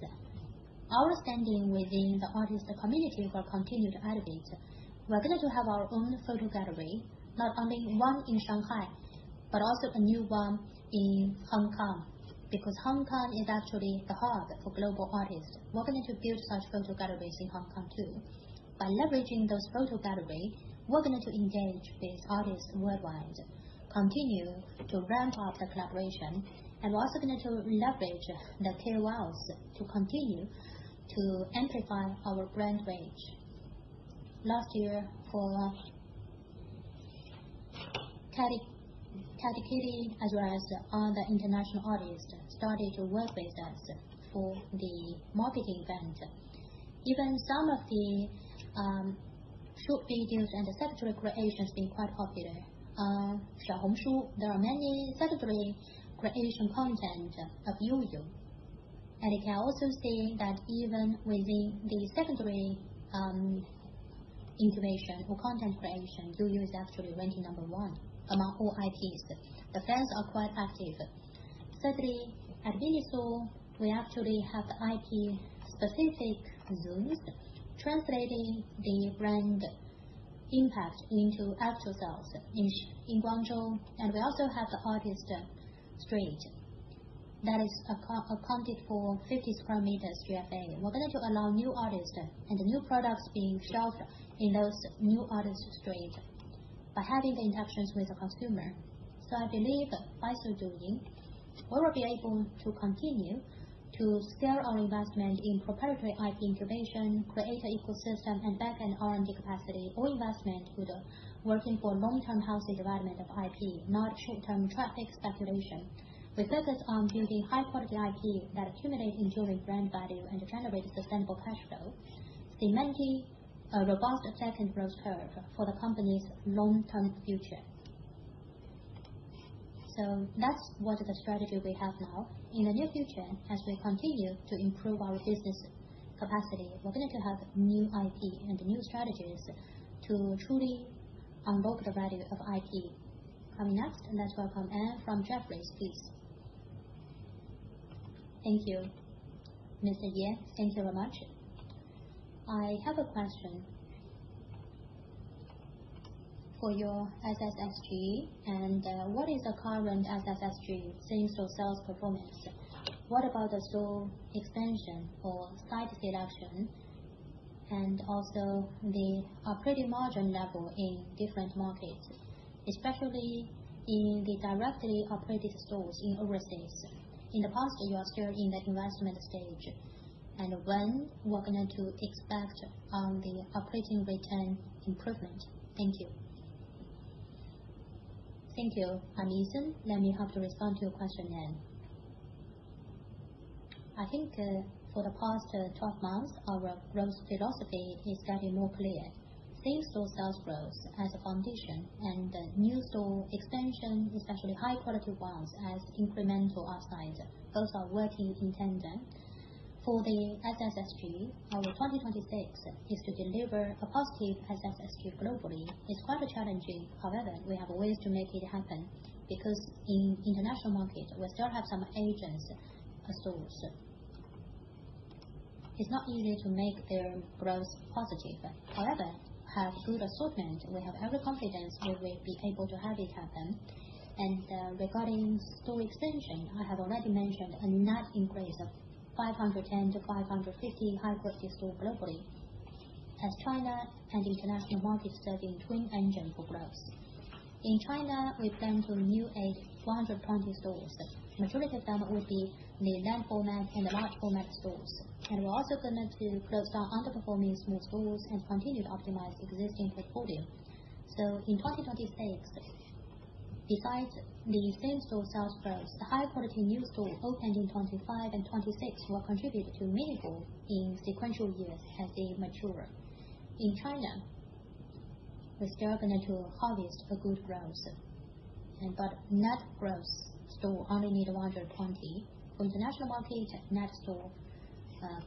our standing within the artist community will continue to elevate. We're going to have our own photo gallery, not only one in Shanghai, but also a new one in Hong Kong, because Hong Kong is actually the hub for global artists. We're going to build such photo galleries in Hong Kong too. By leveraging those photo gallery, we're going to engage these artists worldwide, continue to ramp up the collaboration, and we're also going to leverage the KOLs to continue to amplify our brand range. Last year for Cathy Cathy Kitty, as well as other international artists, started to work with us for the marketing event. Even some of the short videos and the secondary creation has been quite popular. Xiaohongshu, there are many secondary creation content of YuYu. You can also see that even within the secondary integration or content creation, YuYu is actually ranking number 1 among all IPs. The fans are quite active. Certainly, at MINISO, we actually have the IP-specific zones translating the brand impact into actual sales in Guangzhou. We also have the Artist Street that is accounted for 50 sq m GFA. We're going to allow new artists and the new products being shelved in those new Artist Street by having the interactions with the consumer. I believe by so doing we will be able to continue to scale our investment in proprietary IP innovation, create an ecosystem, and backend R&D capacity. All investment would work for long-term healthy development of IP, not short-term traffic speculation. We focus on building high-quality IP that accumulates enduring brand value and generates sustainable cash flow, cementing a robust second growth curve for the company's long-term future. That's the strategy we have now. In the near future, as we continue to improve our business capacity, we're going to have new IP and new strategies to truly unlock the value of IP. Coming next, let's welcome Anne from Jefferies, please. Thank you, Mr. Ye. Thank you very much. I have a question for your SSSG. What is the current SSSG same-store sales performance? What about the store expansion or site selection, and also the operating margin level in different markets, especially in the directly operated stores in overseas? In the past, you are still in the investment stage. When can we expect the operating return improvement. Thank you. Thank you. I'm Eason. Let me help to respond to your question then. I think for the past 12 months, our growth philosophy is getting more clear. Same-store sales growth as a foundation and new store expansion, especially high-quality ones as incremental upsides. Those are working in tandem. For the SSSG, our 2026 is to deliver a positive SSSG globally. It's quite challenging. However, we have ways to make it happen because, in international markets, we still have some agent stores. It's not easy to make their growth positive. However, with good assortment, we have every confidence that we'll be able to have it happen. Regarding store expansion, I have already mentioned a net increase of 510-550 high-quality stores globally with China and international markets serving as twin engines for growth. In China, we plan to net add 420 stores. Majority of them would be the land format and the large format stores. We're also going to close down underperforming stores and continue to optimize existing portfolio. In 2026, besides the same-store sales growth, the high-quality new stores opened in 2025 and 2026 will contribute to MINISO in sequential years as they mature. In China, we're still going to harvest a good growth. Net store growth only needs 420. From the international market, net store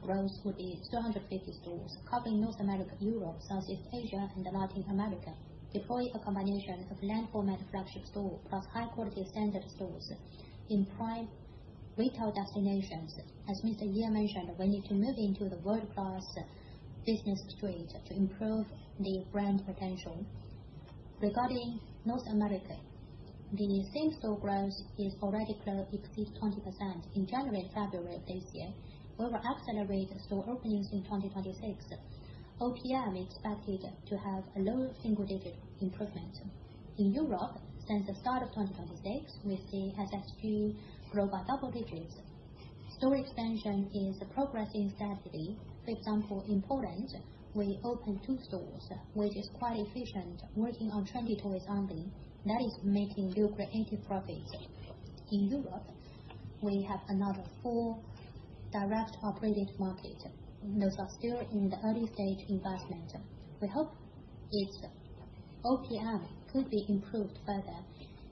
growth would be 250 stores covering North America, Europe, Southeast Asia, and Latin America. We deploy a combination of land format flagship stores plus high-quality standard stores in prime retail destinations. As Mr. Ye mentioned, we need to move into the world-class business street to improve the brand potential. Regarding North America, the same-store growth is already clearly exceeding 20% in January, February of this year. We will accelerate store openings in 2026. OPM expected to have a low single-digit improvement. In Europe, since the start of 2026, we see SSG grow by double digits. Store expansion is progressing steadily. For example, in Poland, we opened 2 stores, which is quite efficient, working on trendy toys only, that is making lucrative profits. In Europe, we have another 4 direct operating markets. Those are still in the early stage investment. We hope its OPM could be improved further.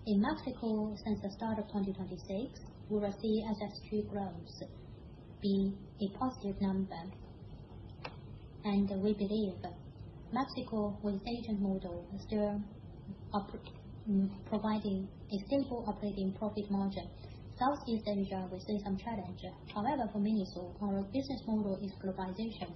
In Mexico, since the start of 2026, we will see SSG growth being a positive number, and we believe Mexico with agent model is still providing a simple operating profit margin. Southeast Asia, we see some challenge. However, for MINISO, our business model is globalization.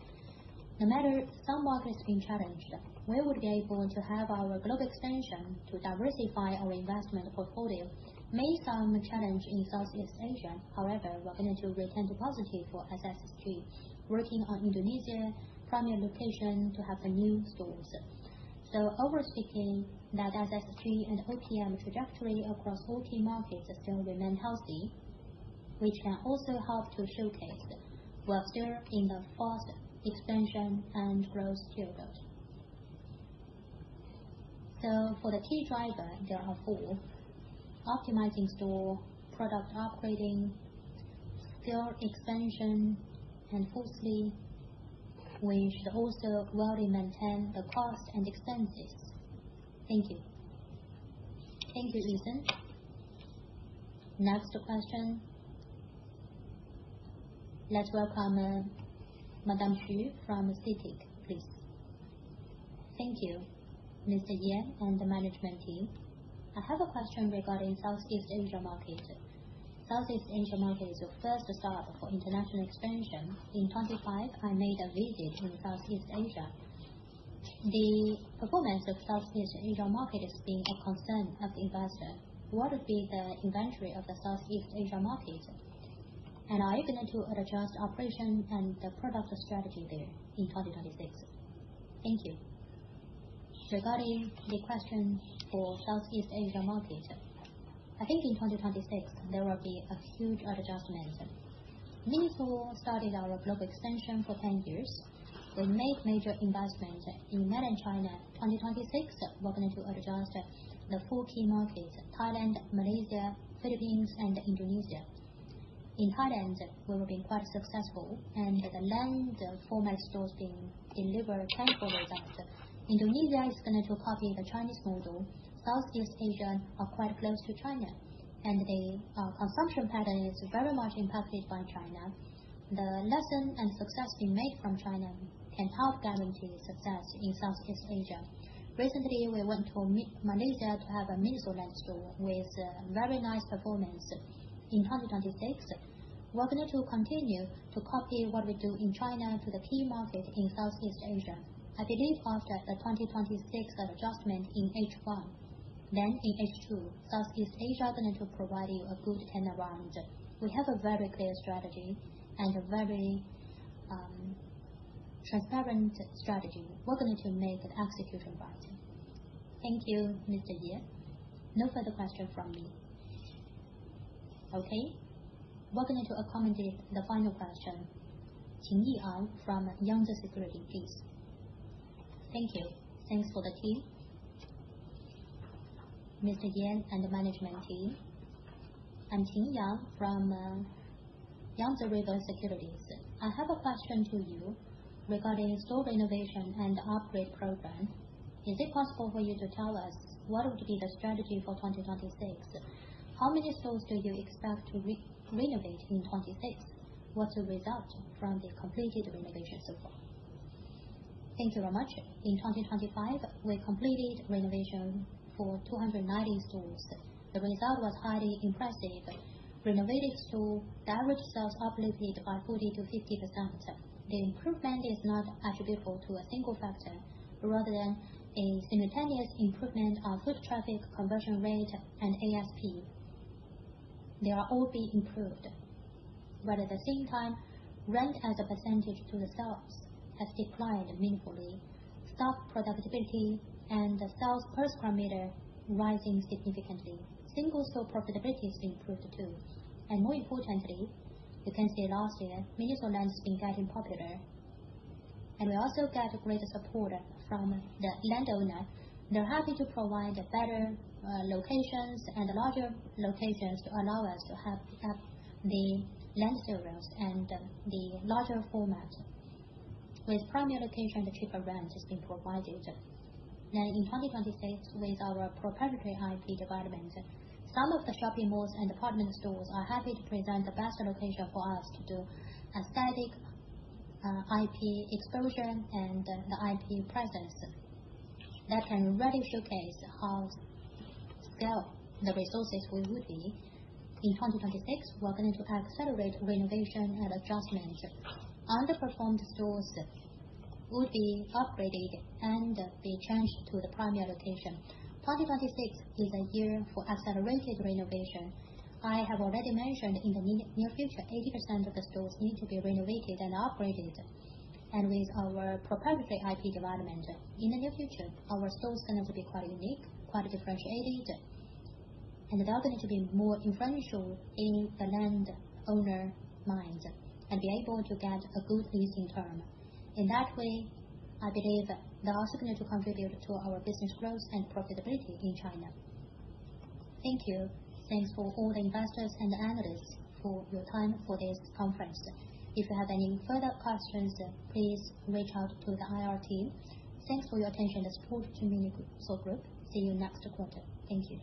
No matter some markets being challenged, we would be able to have our global expansion to diversify our investment portfolio. Despite some challenges in Southeast Asia, however, we're going to return to positive for SSG, working on Indonesia premier locations to have new stores. Overall speaking, that SSG and OPM trajectory across all key markets still remain healthy, which can also help to showcase we are still in the fast expansion and growth period. For the key driver, there are four: optimizing store product operating, store expansion, and fourthly, we should also well maintain the cost and expenses. Thank you. Thank you, Anne. Next question. Let's welcome Madame Xu from CITIC, please. Thank you, Mr. Ye and the management team. I have a question regarding Southeast Asia market. Southeast Asia market is the first start for international expansion. In 2025, I made a visit to Southeast Asia. The performance of the Southeast Asia market is of concern to investors. What would be the inventory of the Southeast Asia market? Are you going to adjust operations and the product strategy there in 2026? Thank you. Regarding the question for Southeast Asia market, I think in 2026, there will be a huge adjustment. MINISO started our global expansion for 10 years. We made major investment in Mainland China. In 2026, we're going to adjust the 4 key markets: Thailand, Malaysia, Philippines, and Indonesia. In Thailand, we have been quite successful and the land format stores deliver incredible results. Indonesia is going to copy the Chinese model. Southeast Asia is quite close to China, and their consumption pattern is very much impacted by China. The lesson and success we made from China can help guarantee success in Southeast Asia. Recently, we went to Malaysia to have a MINISO LAND store with very nice performance. In 2026, we're going to continue to copy what we do in China to the key market in Southeast Asia. I believe after the 2026 adjustment in H1, then in H2, Southeast Asia going to provide you a good turn around. We have a very clear strategy and a very transparent strategy. We're going to make the execution right. Thank you, Mr. Ye. No further question from me. Okay. We're going to accommodate the final question. [Qin Yihao] from Yangtze Securities, please. Thank you. Thanks for the team. Mr. Ye and the management team, I'm [Qin Yihao] from Yangtze River Securities. I have a question to you regarding store renovation and upgrade program. Is it possible for you to tell us what would be the strategy for 2026? How many stores do you expect to renovate in 2026? What's the result from the completed renovations so far? Thank you very much. In 2025, we completed renovation for 290 stores. The result was highly impressive. Renovated store average sales uplifted by 40%-50%. The improvement is not attributable to a single factor, but rather than a simultaneous improvement on foot traffic, conversion rate, and ASP. They are all being improved, but at the same time, rent as a percentage to the sales has declined meaningfully. Store profitability and the sales per square meter rising significantly. Single store profitability is improved, too. More importantly, you can see last year, MINISO LAND has been getting popular. We also get greater support from the landowner. They're happy to provide better locations and larger locations to allow us to have the MINISO LAND stores and the larger format. With primary location, the cheaper rent is being provided. In 2026, with our proprietary IP development, some of the shopping malls and department stores are happy to present the best location for us to do aesthetic IP exposure and the IP presence that can really showcase how we scale the resources we would be. In 2026, we're going to accelerate renovation and adjustment. Underperforming stores will be upgraded and be changed to the primary location. 2026 is a year for accelerated renovation. I have already mentioned in the near future, 80% of the stores need to be renovated and upgraded. With our proprietary IP development, in the near future, our stores are going to be quite unique, quite differentiated, and they're all going to be more influential in the landlords' minds and be able to get a good leasing term. In that way, I believe they are also going to contribute to our business growth and profitability in China. Thank you. Thanks for all the investors and the analysts for your time for this conference. If you have any further questions, please reach out to the IR team. Thanks for your attention and support to MINISO Group. See you next quarter. Thank you.